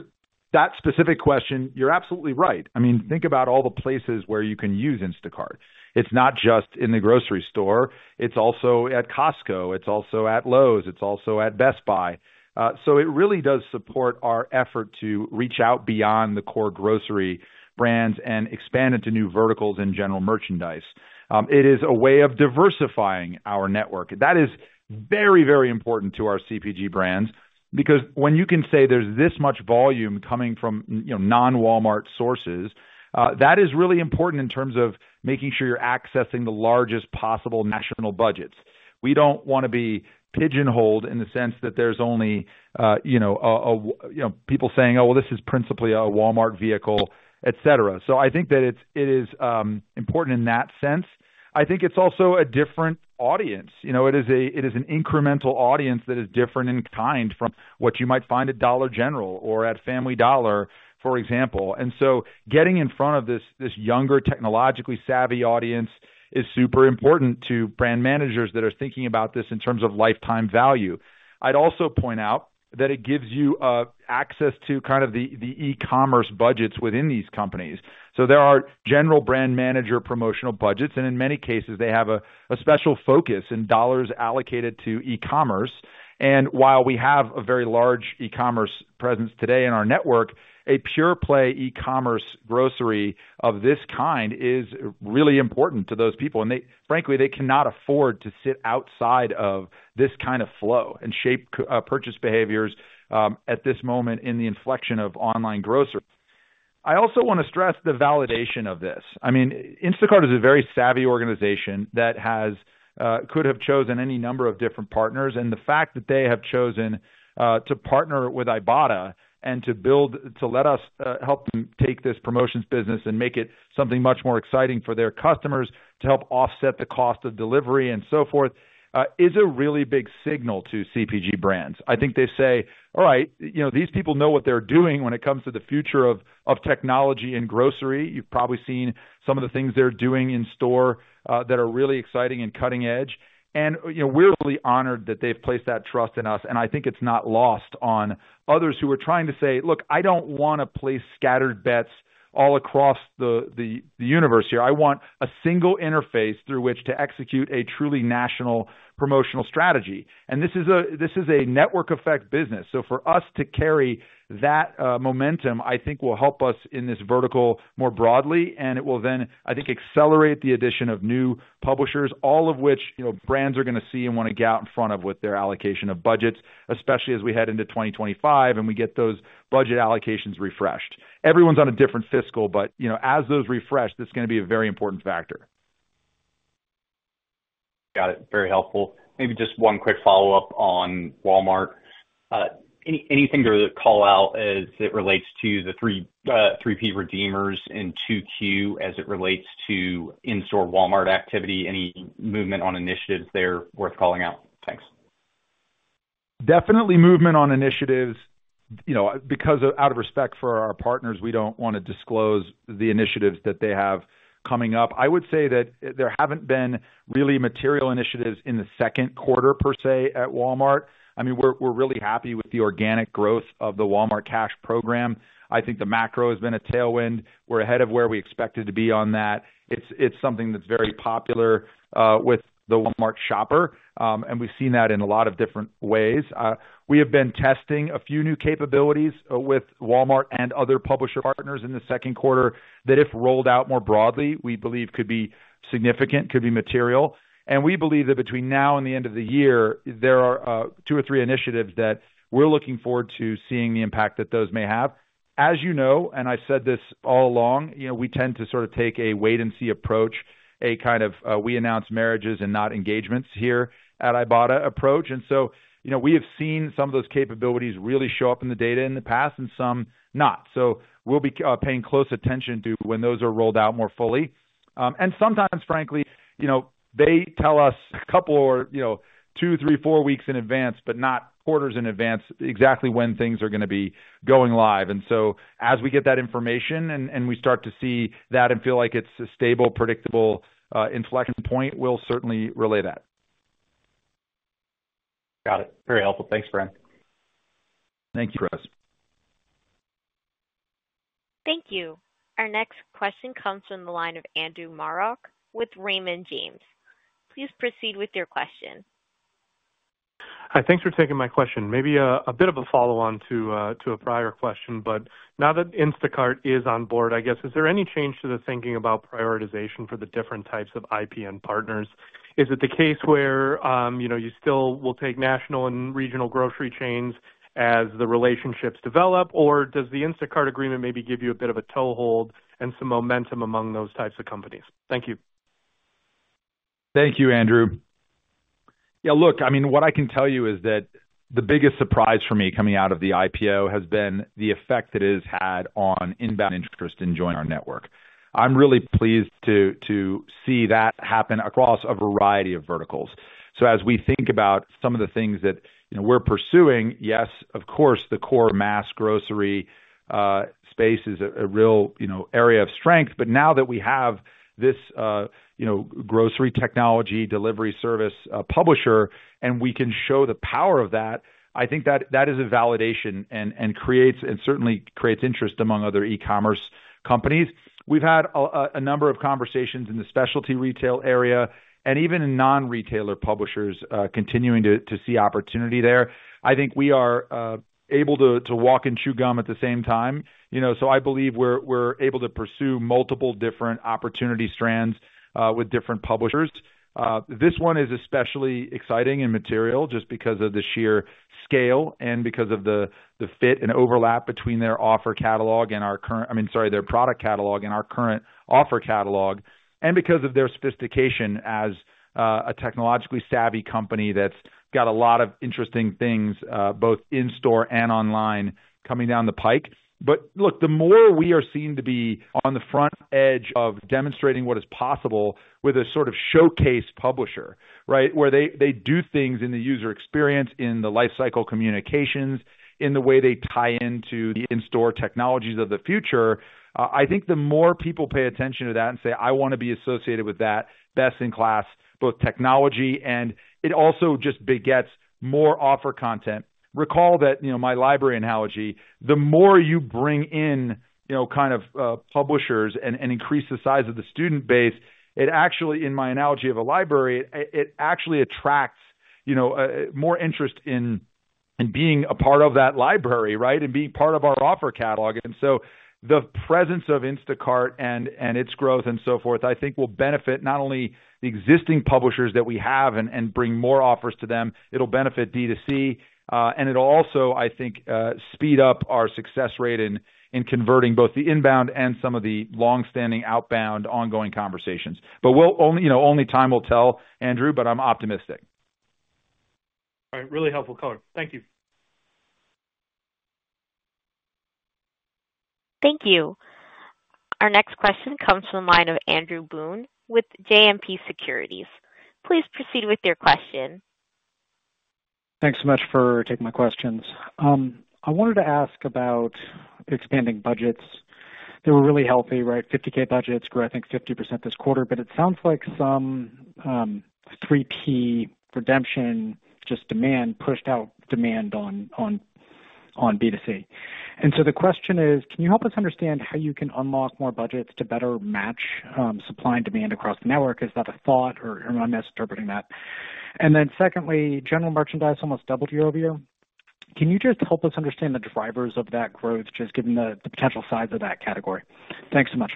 that specific question, you're absolutely right. I mean, think about all the places where you can use Instacart. It's not just in the grocery store, it's also at Costco, it's also at Lowe's, it's also at Best Buy. So it really does support our effort to reach out beyond the core grocery brands and expand into new verticals in general merchandise. It is a way of diversifying our network. That is very, very important to our CPG brands, because when you can say there's this much volume coming from, you know, non-Walmart sources, that is really important in terms of making sure you're accessing the largest possible national budgets. We don't want to be pigeonholed in the sense that there's only, you know, people saying, "Oh, well, this is principally a Walmart vehicle," et cetera. So I think that it's, it is, important in that sense. I think it's also a different audience. You know, it is a, it is an incremental audience that is different in kind from what you might find at Dollar General or at Family Dollar, for example. And so getting in front of this younger, technologically savvy audience is super important to brand managers that are thinking about this in terms of lifetime value. I'd also point out that it gives you access to kind of the e-commerce budgets within these companies. So there are general brand manager promotional budgets, and in many cases, they have a special focus in dollars allocated to e-commerce. While we have a very large e-commerce presence today in our network, a pure play e-commerce grocery of this kind is really important to those people, and they frankly cannot afford to sit outside of this kind of flow and shape purchase behaviors at this moment in the inflection of online grocery. I also want to stress the validation of this. I mean, Instacart is a very savvy organization that could have chosen any number of different partners, and the fact that they have chosen to partner with Ibotta and to let us help them take this promotions business and make it something much more exciting for their customers, to help offset the cost of delivery and so forth is a really big signal to CPG brands. I think they say, "All right, you know, these people know what they're doing when it comes to the future of technology and grocery." You've probably seen some of the things they're doing in store that are really exciting and cutting edge. And, you know, we're really honored that they've placed that trust in us, and I think it's not lost on others who are trying to say: Look, I don't want to place scattered bets all across the universe here. I want a single interface through which to execute a truly national promotional strategy. And this is a network effect business. So for us to carry that momentum, I think, will help us in this vertical more broadly, and it will then, I think, accelerate the addition of new publishers, all of which, you know, brands are gonna see and want to get out in front of with their allocation of budgets, especially as we head into 2025 and we get those budget allocations refreshed. Everyone's on a different fiscal, but, you know, as those refresh, that's gonna be a very important factor. Got it. Very helpful. Maybe just one quick follow-up on Walmart. Any, anything to call out as it relates to the three, 3P redeemers in 2Q as it relates to in-store Walmart activity? Any movement on initiatives there worth calling out? Thanks. Definitely movement on initiatives. You know, because of out of respect for our partners, we don't want to disclose the initiatives that they have coming up. I would say that there haven't been really material initiatives in the second quarter per se, at Walmart. I mean, we're really happy with the organic growth of the Walmart Cash program. I think the macro has been a tailwind. We're ahead of where we expected to be on that. It's something that's very popular with the Walmart shopper, and we've seen that in a lot of different ways. We have been testing a few new capabilities with Walmart and other publisher partners in the second quarter, that if rolled out more broadly, we believe could be significant, could be material. We believe that between now and the end of the year, there are two or three initiatives that we're looking forward to seeing the impact that those may have. As you know, and I've said this all along, you know, we tend to sort of take a wait-and-see approach, a kind of we announce marriages and not engagements here at Ibotta approach. And so, you know, we have seen some of those capabilities really show up in the data in the past and some not. So we'll be paying close attention to when those are rolled out more fully. And sometimes, frankly, you know, they tell us a couple or, you know, two, three, four weeks in advance, but not quarters in advance, exactly when things are gonna be going live. And so as we get that information and we start to see that and feel like it's a stable, predictable inflection point, we'll certainly relay that. Got it. Very helpful. Thanks, Bryan. Thank you, Chris. Thank you. Our next question comes from the line of Andrew Marok with Raymond James. Please proceed with your question. Hi, thanks for taking my question. Maybe, a bit of a follow-on to, to a prior question, but now that Instacart is on board, I guess, is there any change to the thinking about prioritization for the different types of IPN partners? Is it the case where, you know, you still will take national and regional grocery chains as the relationships develop, or does the Instacart agreement maybe give you a bit of a toehold and some momentum among those types of companies? Thank you. Thank you, Andrew. Yeah, look, I mean, what I can tell you is that the biggest surprise for me coming out of the IPO has been the effect it has had on inbound interest in joining our network. I'm really pleased to see that happen across a variety of verticals. So as we think about some of the things that, you know, we're pursuing, yes, of course, the core mass grocery space is a real, you know, area of strength. But now that we have this, you know, grocery technology delivery service publisher, and we can show the power of that, I think that is a validation and certainly creates interest among other e-commerce companies. We've had a number of conversations in the specialty retail area and even in non-retailer publishers, continuing to see opportunity there. I think we are able to walk and chew gum at the same time, you know, so I believe we're able to pursue multiple different opportunity strands with different publishers. This one is especially exciting and material just because of the sheer scale and because of the fit and overlap between their offer catalog and our current... I mean, sorry, their product catalog and our current offer catalog, and because of their sophistication as a technologically savvy company that's got a lot of interesting things both in-store and online, coming down the pike. But look, the more we are seen to be on the front edge of demonstrating what is possible with a sort of showcase publisher, right? Where they do things in the user experience, in the life cycle communications, in the way they tie into the in-store technologies of the future, I think the more people pay attention to that and say, "I want to be associated with that," best-in-class, both technology and it also just begets more offer content. Recall that, you know, my library analogy, the more you bring in, you know, kind of, publishers and increase the size of the student base, it actually, in my analogy of a library, it actually attracts, you know, more interest in being a part of that library, right? And being part of our offer catalog. And so the presence of Instacart and, and its growth and so forth, I think will benefit not only the existing publishers that we have and, and bring more offers to them, it'll benefit D2C, and it'll also, I think, speed up our success rate in, in converting both the inbound and some of the long-standing outbound ongoing conversations. But we'll only, you know, only time will tell, Andrew, but I'm optimistic. All right. Really helpful color. Thank you. Thank you. Our next question comes from the line of Andrew Boone with JMP Securities. Please proceed with your question. Thanks so much for taking my questions. I wanted to ask about expanding budgets. They were really healthy, right? $50K budgets grew, I think, 50% this quarter, but it sounds like some 3PP redemption just demand pushed out demand on D2C. And so the question is: Can you help us understand how you can unlock more budgets to better match supply and demand across the network? Is that a thought, or am I misinterpreting that? And then secondly, general merchandise almost doubled year-over-year. Can you just help us understand the drivers of that growth, just given the potential size of that category? Thanks so much.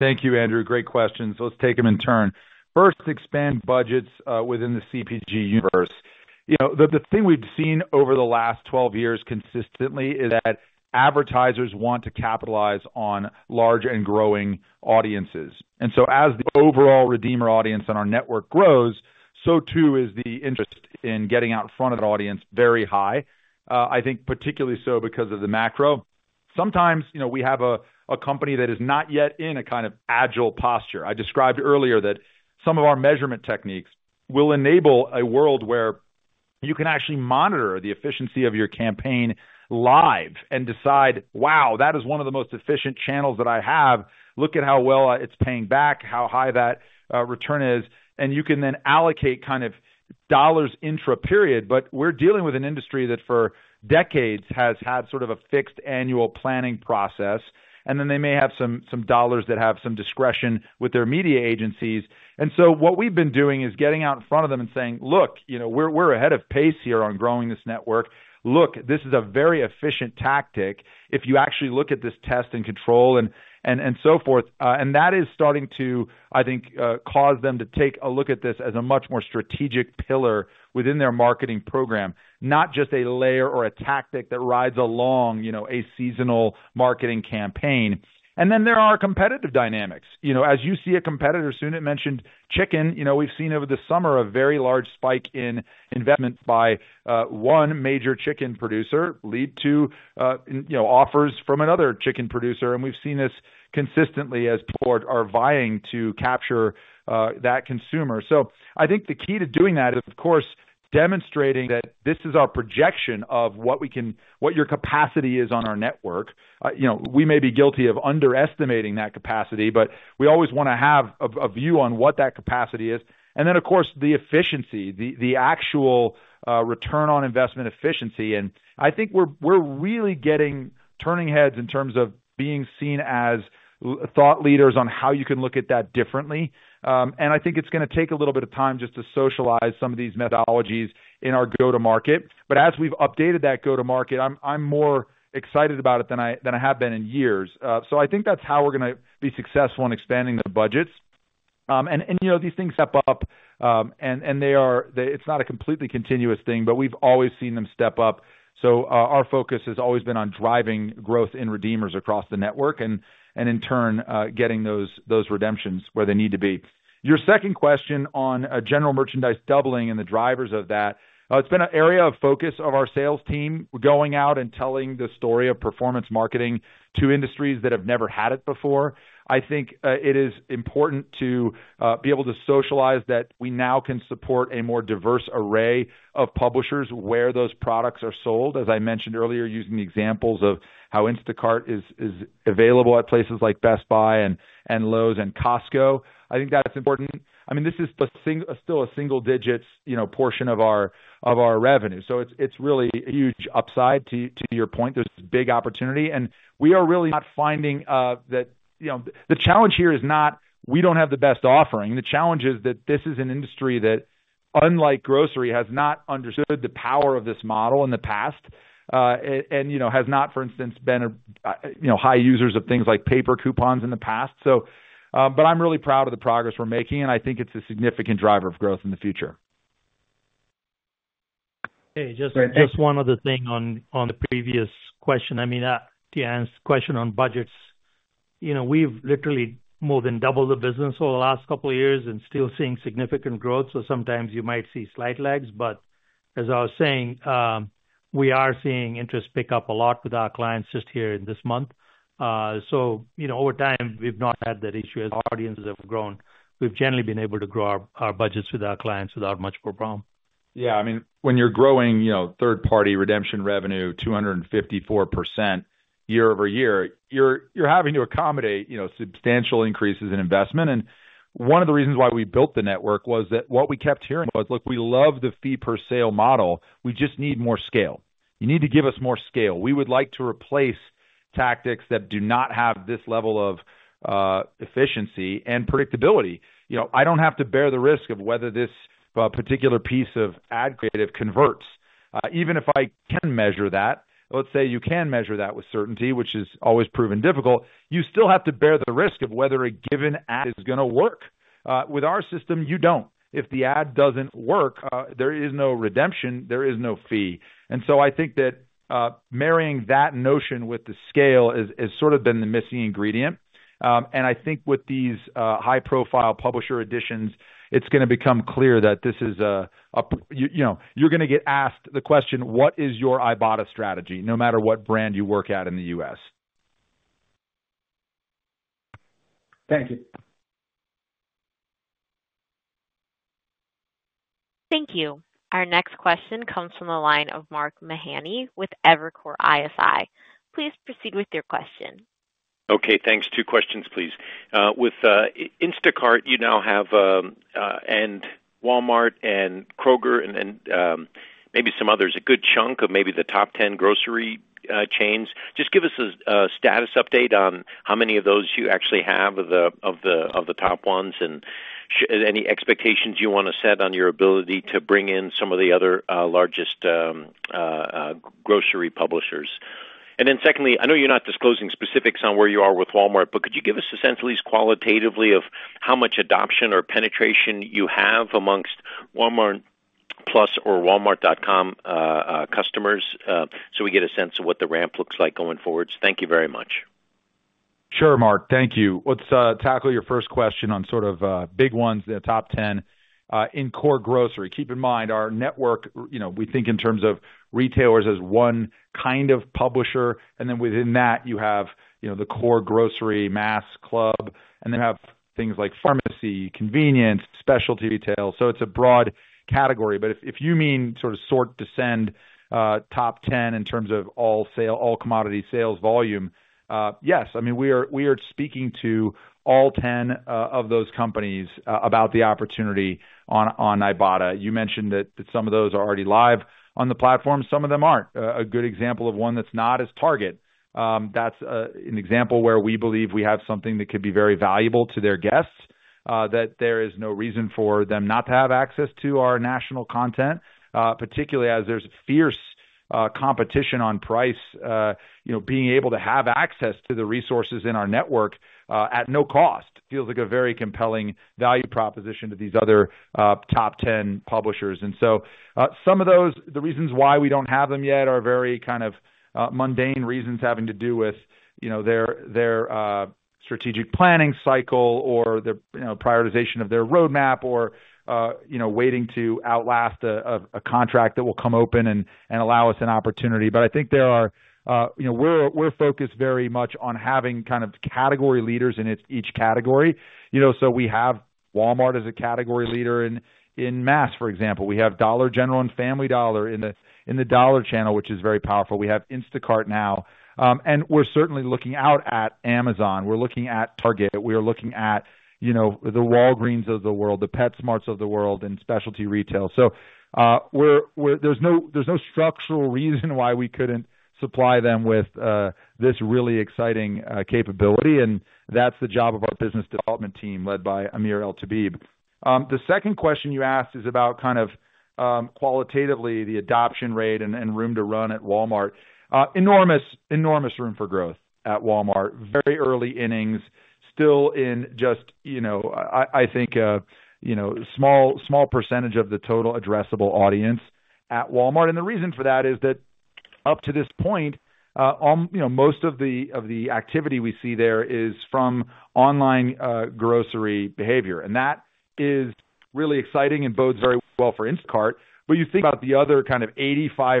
Thank you, Andrew. Great questions. Let's take them in turn. First, expand budgets within the CPG universe. You know, the thing we've seen over the last 12 years consistently is that advertisers want to capitalize on large and growing audiences. And so as the overall redeemer audience on our network grows, so too, is the interest in getting out in front of the audience very high. I think particularly so because of the macro. Sometimes, you know, we have a company that is not yet in a kind of agile posture. I described earlier that some of our measurement techniques will enable a world where you can actually monitor the efficiency of your campaign live and decide, wow, that is one of the most efficient channels that I have. Look at how well it's paying back, how high that return is, and you can then allocate kind of dollars intra-period. But we're dealing with an industry that for decades has had sort of a fixed annual planning process, and then they may have some dollars that have some discretion with their media agencies. And so what we've been doing is getting out in front of them and saying: Look, you know, we're ahead of pace here on growing this network. Look, this is a very efficient tactic if you actually look at this test and control and so forth. And that is starting to, I think, cause them to take a look at this as a much more strategic pillar within their marketing program, not just a layer or a tactic that rides along, you know, a seasonal marketing campaign. Then there are competitive dynamics. You know, as you see a competitor, Sunit mentioned chicken. You know, we've seen over the summer a very large spike in investment by one major chicken producer leading to offers from another chicken producer. And we've seen this consistently as partners are vying to capture that consumer. So I think the key to doing that is, of course, demonstrating that this is our projection of what your capacity is on our network. You know, we may be guilty of underestimating that capacity, but we always wanna have a view on what that capacity is. And then, of course, the efficiency, the actual return on investment efficiency. And I think we're really getting turning heads in terms of being seen as thought leaders on how you can look at that differently. And I think it's gonna take a little bit of time just to socialize some of these methodologies in our go-to-market. But as we've updated that go-to-market, I'm more excited about it than I have been in years. So I think that's how we're gonna be successful in expanding the budgets. And, you know, these things step up, and they are, it's not a completely continuous thing, but we've always seen them step up. So our focus has always been on driving growth in redeemers across the network and in turn getting those redemptions where they need to be. Your second question on general merchandise doubling and the drivers of that. It's been an area of focus of our sales team, going out and telling the story of performance marketing to industries that have never had it before. I think it is important to be able to socialize that we now can support a more diverse array of publishers where those products are sold, as I mentioned earlier, using the examples of how Instacart is available at places like Best Buy and Lowe's and Costco. I think that's important. I mean, this is still a single digits, you know, portion of our revenue, so it's really a huge upside. To your point, there's a big opportunity, and we are really not finding that. You know, the challenge here is not we don't have the best offering. The challenge is that this is an industry that, unlike grocery, has not understood the power of this model in the past, and you know, has not, for instance, been you know, high users of things like paper coupons in the past. So, but I'm really proud of the progress we're making, and I think it's a significant driver of growth in the future. Hey, just one other thing on the previous question. I mean, to answer the question on budgets. You know, we've literally more than doubled the business over the last couple of years and still seeing significant growth, so sometimes you might see slight lags. But as I was saying, we are seeing interest pick up a lot with our clients just here in this month. So you know, over time, we've not had that issue. As our audiences have grown, we've generally been able to grow our budgets with our clients without much more problem. Yeah, I mean, when you're growing, you know, third-party redemption revenue 254% year-over-year, you're having to accommodate, you know, substantial increases in investment. And one of the reasons why we built the network was that what we kept hearing was, "Look, we love the fee-per-sale model. We just need more scale. You need to give us more scale. We would like to replace tactics that do not have this level of efficiency and predictability." You know, I don't have to bear the risk of whether this particular piece of ad creative converts. Even if I can measure that, let's say you can measure that with certainty, which is always proven difficult, you still have to bear the risk of whether a given ad is gonna work. With our system, you don't. If the ad doesn't work, there is no redemption, there is no fee. And so I think that, marrying that notion with the scale is sort of been the missing ingredient. And I think with these, high-profile publisher additions, it's gonna become clear that this is a, you know, you're gonna get asked the question: What is your Ibotta strategy? No matter what brand you work at in the U.S. Thank you. Thank you. Our next question comes from the line of Mark Mahaney with Evercore ISI. Please proceed with your question. Okay, thanks. Two questions, please. With Instacart, you now have and Walmart and Kroger and maybe some others, a good chunk of maybe the top 10 grocery chains. Just give us a status update on how many of those you actually have of the top ones, and any expectations you wanna set on your ability to bring in some of the other largest grocery publishers? And then secondly, I know you're not disclosing specifics on where you are with Walmart, but could you give us a sense, at least qualitatively, of how much adoption or penetration you have amongst Walmart+ or Walmart.com customers, so we get a sense of what the ramp looks like going forward? Thank you very much. Sure, Mark. Thank you. Let's tackle your first question on sort of big ones, the top 10 in core grocery. Keep in mind, our network, you know, we think in terms of retailers as one kind of publisher, and then within that you have, you know, the core grocery, mass, club, and then you have things like pharmacy, convenience, specialty retail, so it's a broad category. But if you mean sort of descending top 10 in terms of all commodity sales volume, yes. I mean, we are speaking to all 10 of those companies about the opportunity on Ibotta. You mentioned that some of those are already live on the platform. Some of them aren't. A good example of one that's not is Target. That's an example where we believe we have something that could be very valuable to their guests, that there is no reason for them not to have access to our national content, particularly as there's fierce competition on price. You know, being able to have access to the resources in our network at no cost feels like a very compelling value proposition to these other top ten publishers. And so, some of those, the reasons why we don't have them yet are very kind of mundane reasons having to do with, you know, their strategic planning cycle or their, you know, prioritization of their roadmap or, you know, waiting to outlast a contract that will come open and allow us an opportunity. But I think there are, you know, we're focused very much on having kind of category leaders in each category. You know, so we have Walmart as a category leader in mass, for example. We have Dollar General and Family Dollar in the dollar channel, which is very powerful. We have Instacart now. We're certainly looking out at Amazon. We're looking at Target. We are looking at, you know, the Walgreens of the world, the PetSmarts of the world in specialty retail. So, there's no structural reason why we couldn't supply them with this really exciting capability, and that's the job of our business development team, led by Amir El Tabib. The second question you asked is about kind of, qualitatively, the adoption rate and room to run at Walmart. Enormous room for growth at Walmart. Very early innings. Still in just, you know, I think, you know, small, small percentage of the total addressable audience at Walmart. And the reason for that is that up to this point, you know, most of the activity we see there is from online grocery behavior, and that is really exciting and bodes very well for Instacart. But you think about the other kind of 85%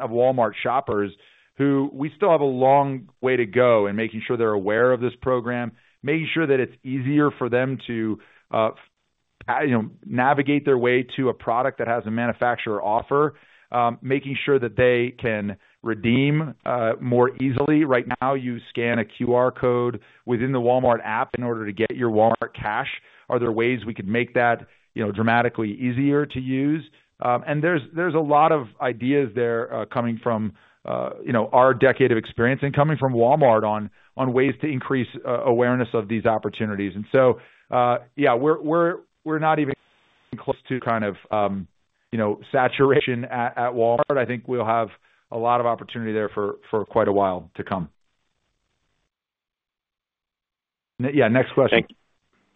of Walmart shoppers who we still have a long way to go in making sure they're aware of this program, making sure that it's easier for them to, you know, navigate their way to a product that has a manufacturer offer, making sure that they can redeem more easily. Right now, you scan a QR code within the Walmart app in order to get your Walmart Cash. Are there ways we could make that, you know, dramatically easier to use? And there's a lot of ideas there, coming from, you know, our decade of experience and coming from Walmart on ways to increase awareness of these opportunities. And so, yeah, we're not even close to kind of, you know, saturation at Walmart. I think we'll have a lot of opportunity there for quite a while to come. Yeah, next question.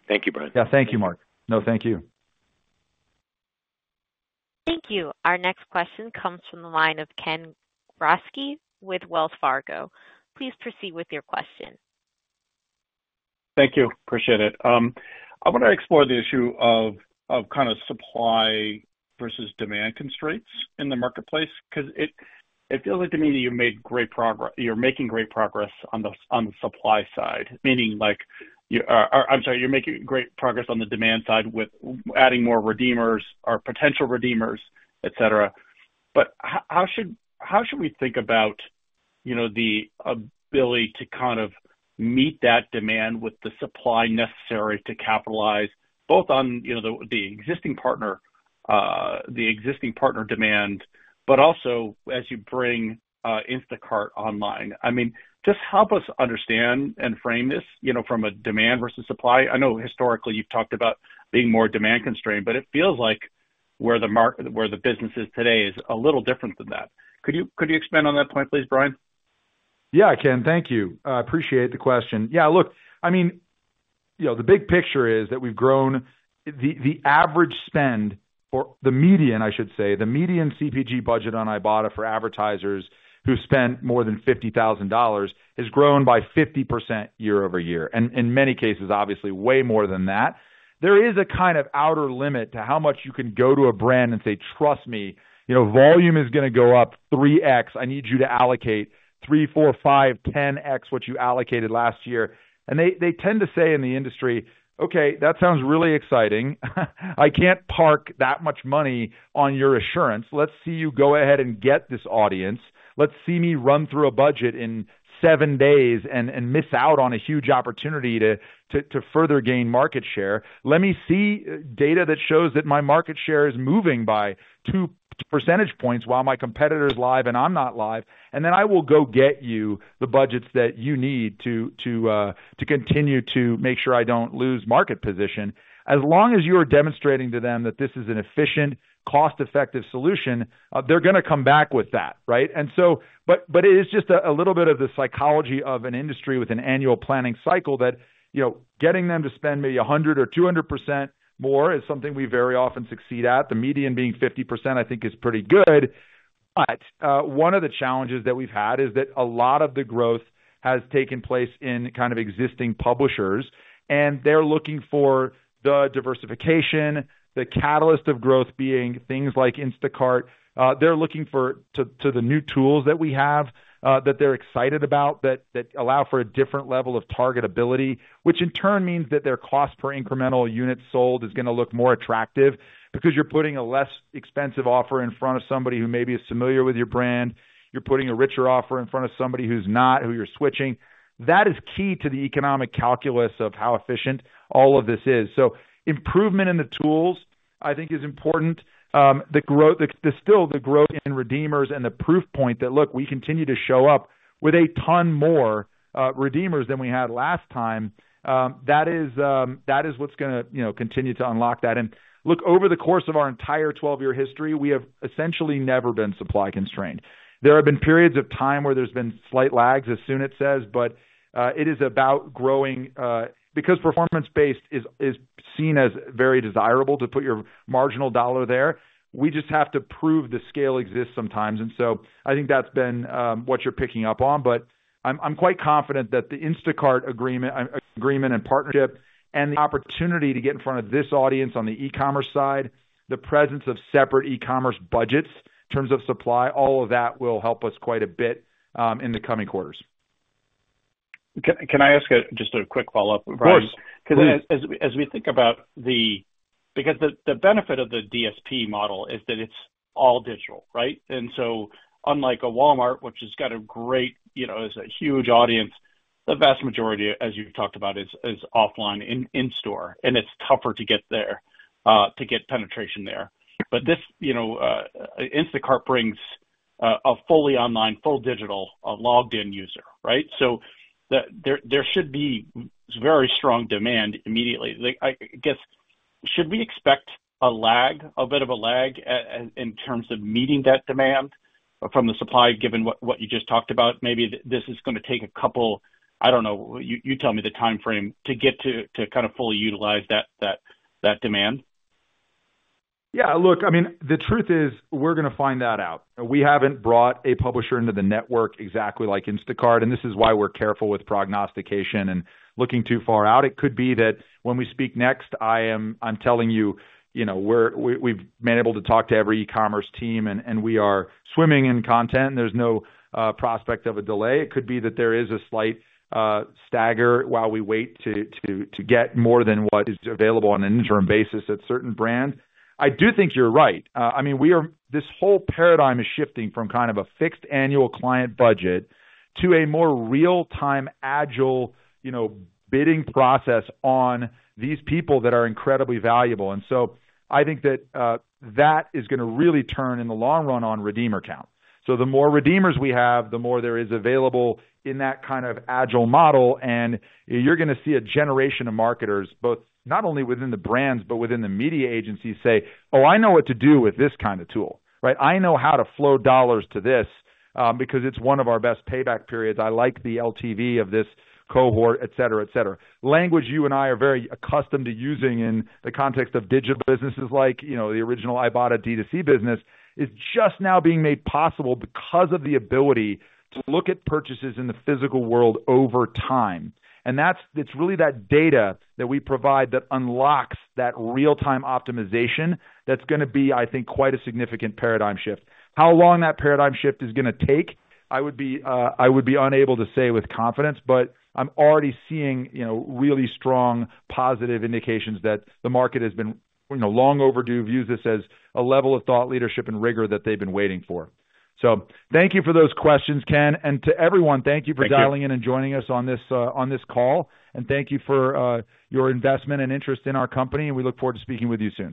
Thank you, Bryan. Yeah. Thank you, Mark. No, thank you. Thank you. Our next question comes from the line of Ken Gawrelski with Wells Fargo. Please proceed with your question. Thank you. Appreciate it. I want to explore the issue of, of kind of supply versus demand constraints in the marketplace, because it, it feels like to me that you've made great progress—you're making great progress on the, on the supply side, meaning like, you. Or, or I'm sorry, you're making great progress on the demand side with adding more redeemers or potential redeemers, et cetera. But how, how should, how should we think about, you know, the ability to kind of meet that demand with the supply necessary to capitalize both on, you know, the, the existing partner, the existing partner demand, but also as you bring Instacart online? I mean, just help us understand and frame this, you know, from a demand versus supply. I know historically you've talked about being more demand constrained, but it feels like where the mark, where the business is today is a little different than that. Could you, could you expand on that point, please, Bryan? Yeah, Ken. Thank you. I appreciate the question. Yeah, look, I mean, you know, the big picture is that we've grown... The average spend or the median, I should say, the median CPG budget on Ibotta for advertisers who spent more than $50,000 has grown by 50% year-over-year, and in many cases, obviously, way more than that. There is a kind of outer limit to how much you can go to a brand and say, "Trust me, you know, volume is gonna go up 3x. I need you to allocate 3x, 4x, 5x, 10x what you allocated last year." And they tend to say in the industry, "Okay, that sounds really exciting. I can't park that much money on your assurance. Let's see you go ahead and get this audience. Let's see me run through a budget in seven days and miss out on a huge opportunity to further gain market share. Let me see data that shows that my market share is moving by 2%... percentage points while my competitor is live and I'm not live, and then I will go get you the budgets that you need to continue to make sure I don't lose market position. As long as you are demonstrating to them that this is an efficient, cost-effective solution, they're gonna come back with that, right? But it is just a little bit of the psychology of an industry with an annual planning cycle that, you know, getting them to spend maybe 100% or 200% more is something we very often succeed at. The median being 50%, I think, is pretty good. But one of the challenges that we've had is that a lot of the growth has taken place in kind of existing publishers, and they're looking for the diversification, the catalyst of growth being things like Instacart. They're looking for the new tools that we have that they're excited about, that allow for a different level of targetability, which in turn means that their cost per incremental unit sold is gonna look more attractive. Because you're putting a less expensive offer in front of somebody who maybe is familiar with your brand. You're putting a richer offer in front of somebody who's not, who you're switching. That is key to the economic calculus of how efficient all of this is. So improvement in the tools, I think, is important. The growth—the, still the growth in redeemers and the proof point that, look, we continue to show up with a ton more, redeemers than we had last time. That is, that is what's gonna, you know, continue to unlock that. And look, over the course of our entire twelve-year history, we have essentially never been supply constrained. There have been periods of time where there's been slight lags, as Sunit says, but, it is about growing, because performance-based is, is seen as very desirable to put your marginal dollar there. We just have to prove the scale exists sometimes, and so I think that's been, what you're picking up on. But I'm quite confident that the Instacart agreement, agreement and partnership and the opportunity to get in front of this audience on the e-commerce side, the presence of separate e-commerce budgets in terms of supply, all of that will help us quite a bit, in the coming quarters. Can I ask just a quick follow-up, Bryan? Of course, please. Because as we think about the benefit of the DSP model is that it's all digital, right? And so unlike a Walmart, which has got a great, you know, is a huge audience, the vast majority, as you've talked about, is offline, in-store, and it's tougher to get there, to get penetration there. But this, you know, Instacart brings a fully online, full digital, a logged in user, right? So there, there should be very strong demand immediately. Like, I guess, should we expect a lag, a bit of a lag, in terms of meeting that demand from the supply, given what you just talked about? Maybe this is gonna take a couple, I don't know, you tell me the timeframe to get to, to kind of fully utilize that demand. Yeah, look, I mean, the truth is, we're gonna find that out. We haven't brought a publisher into the network exactly like Instacart, and this is why we're careful with prognostication and looking too far out. It could be that when we speak next, I'm telling you, you know, we've been able to talk to every e-commerce team and we are swimming in content. There's no prospect of a delay. It could be that there is a slight stagger while we wait to get more than what is available on an interim basis at certain brands. I do think you're right. I mean, we are. This whole paradigm is shifting from kind of a fixed annual client budget to a more real-time, agile, you know, bidding process on these people that are incredibly valuable. And so I think that, that is gonna really turn in the long run on redeemer count. So the more redeemers we have, the more there is available in that kind of agile model, and you're gonna see a generation of marketers, both, not only within the brands but within the media agencies, say, "Oh, I know what to do with this kind of tool." Right? "I know how to flow dollars to this, because it's one of our best payback periods. I like the LTV of this cohort," et cetera, et cetera. Language you and I are very accustomed to using in the context of digital businesses like, you know, the original Ibotta D2C business, is just now being made possible because of the ability to look at purchases in the physical world over time. And that's- it's really that data that we provide that unlocks that real-time optimization that's gonna be, I think, quite a significant paradigm shift. How long that paradigm shift is gonna take? I would be, I would be unable to say with confidence, but I'm already seeing, you know, really strong positive indications that the market has been, you know, long overdue, views this as a level of thought, leadership, and rigor that they've been waiting for. So thank you for those questions, Ken. And to everyone, thank you- Thank you. for dialing in and joining us on this call. Thank you for your investment and interest in our company, and we look forward to speaking with you soon.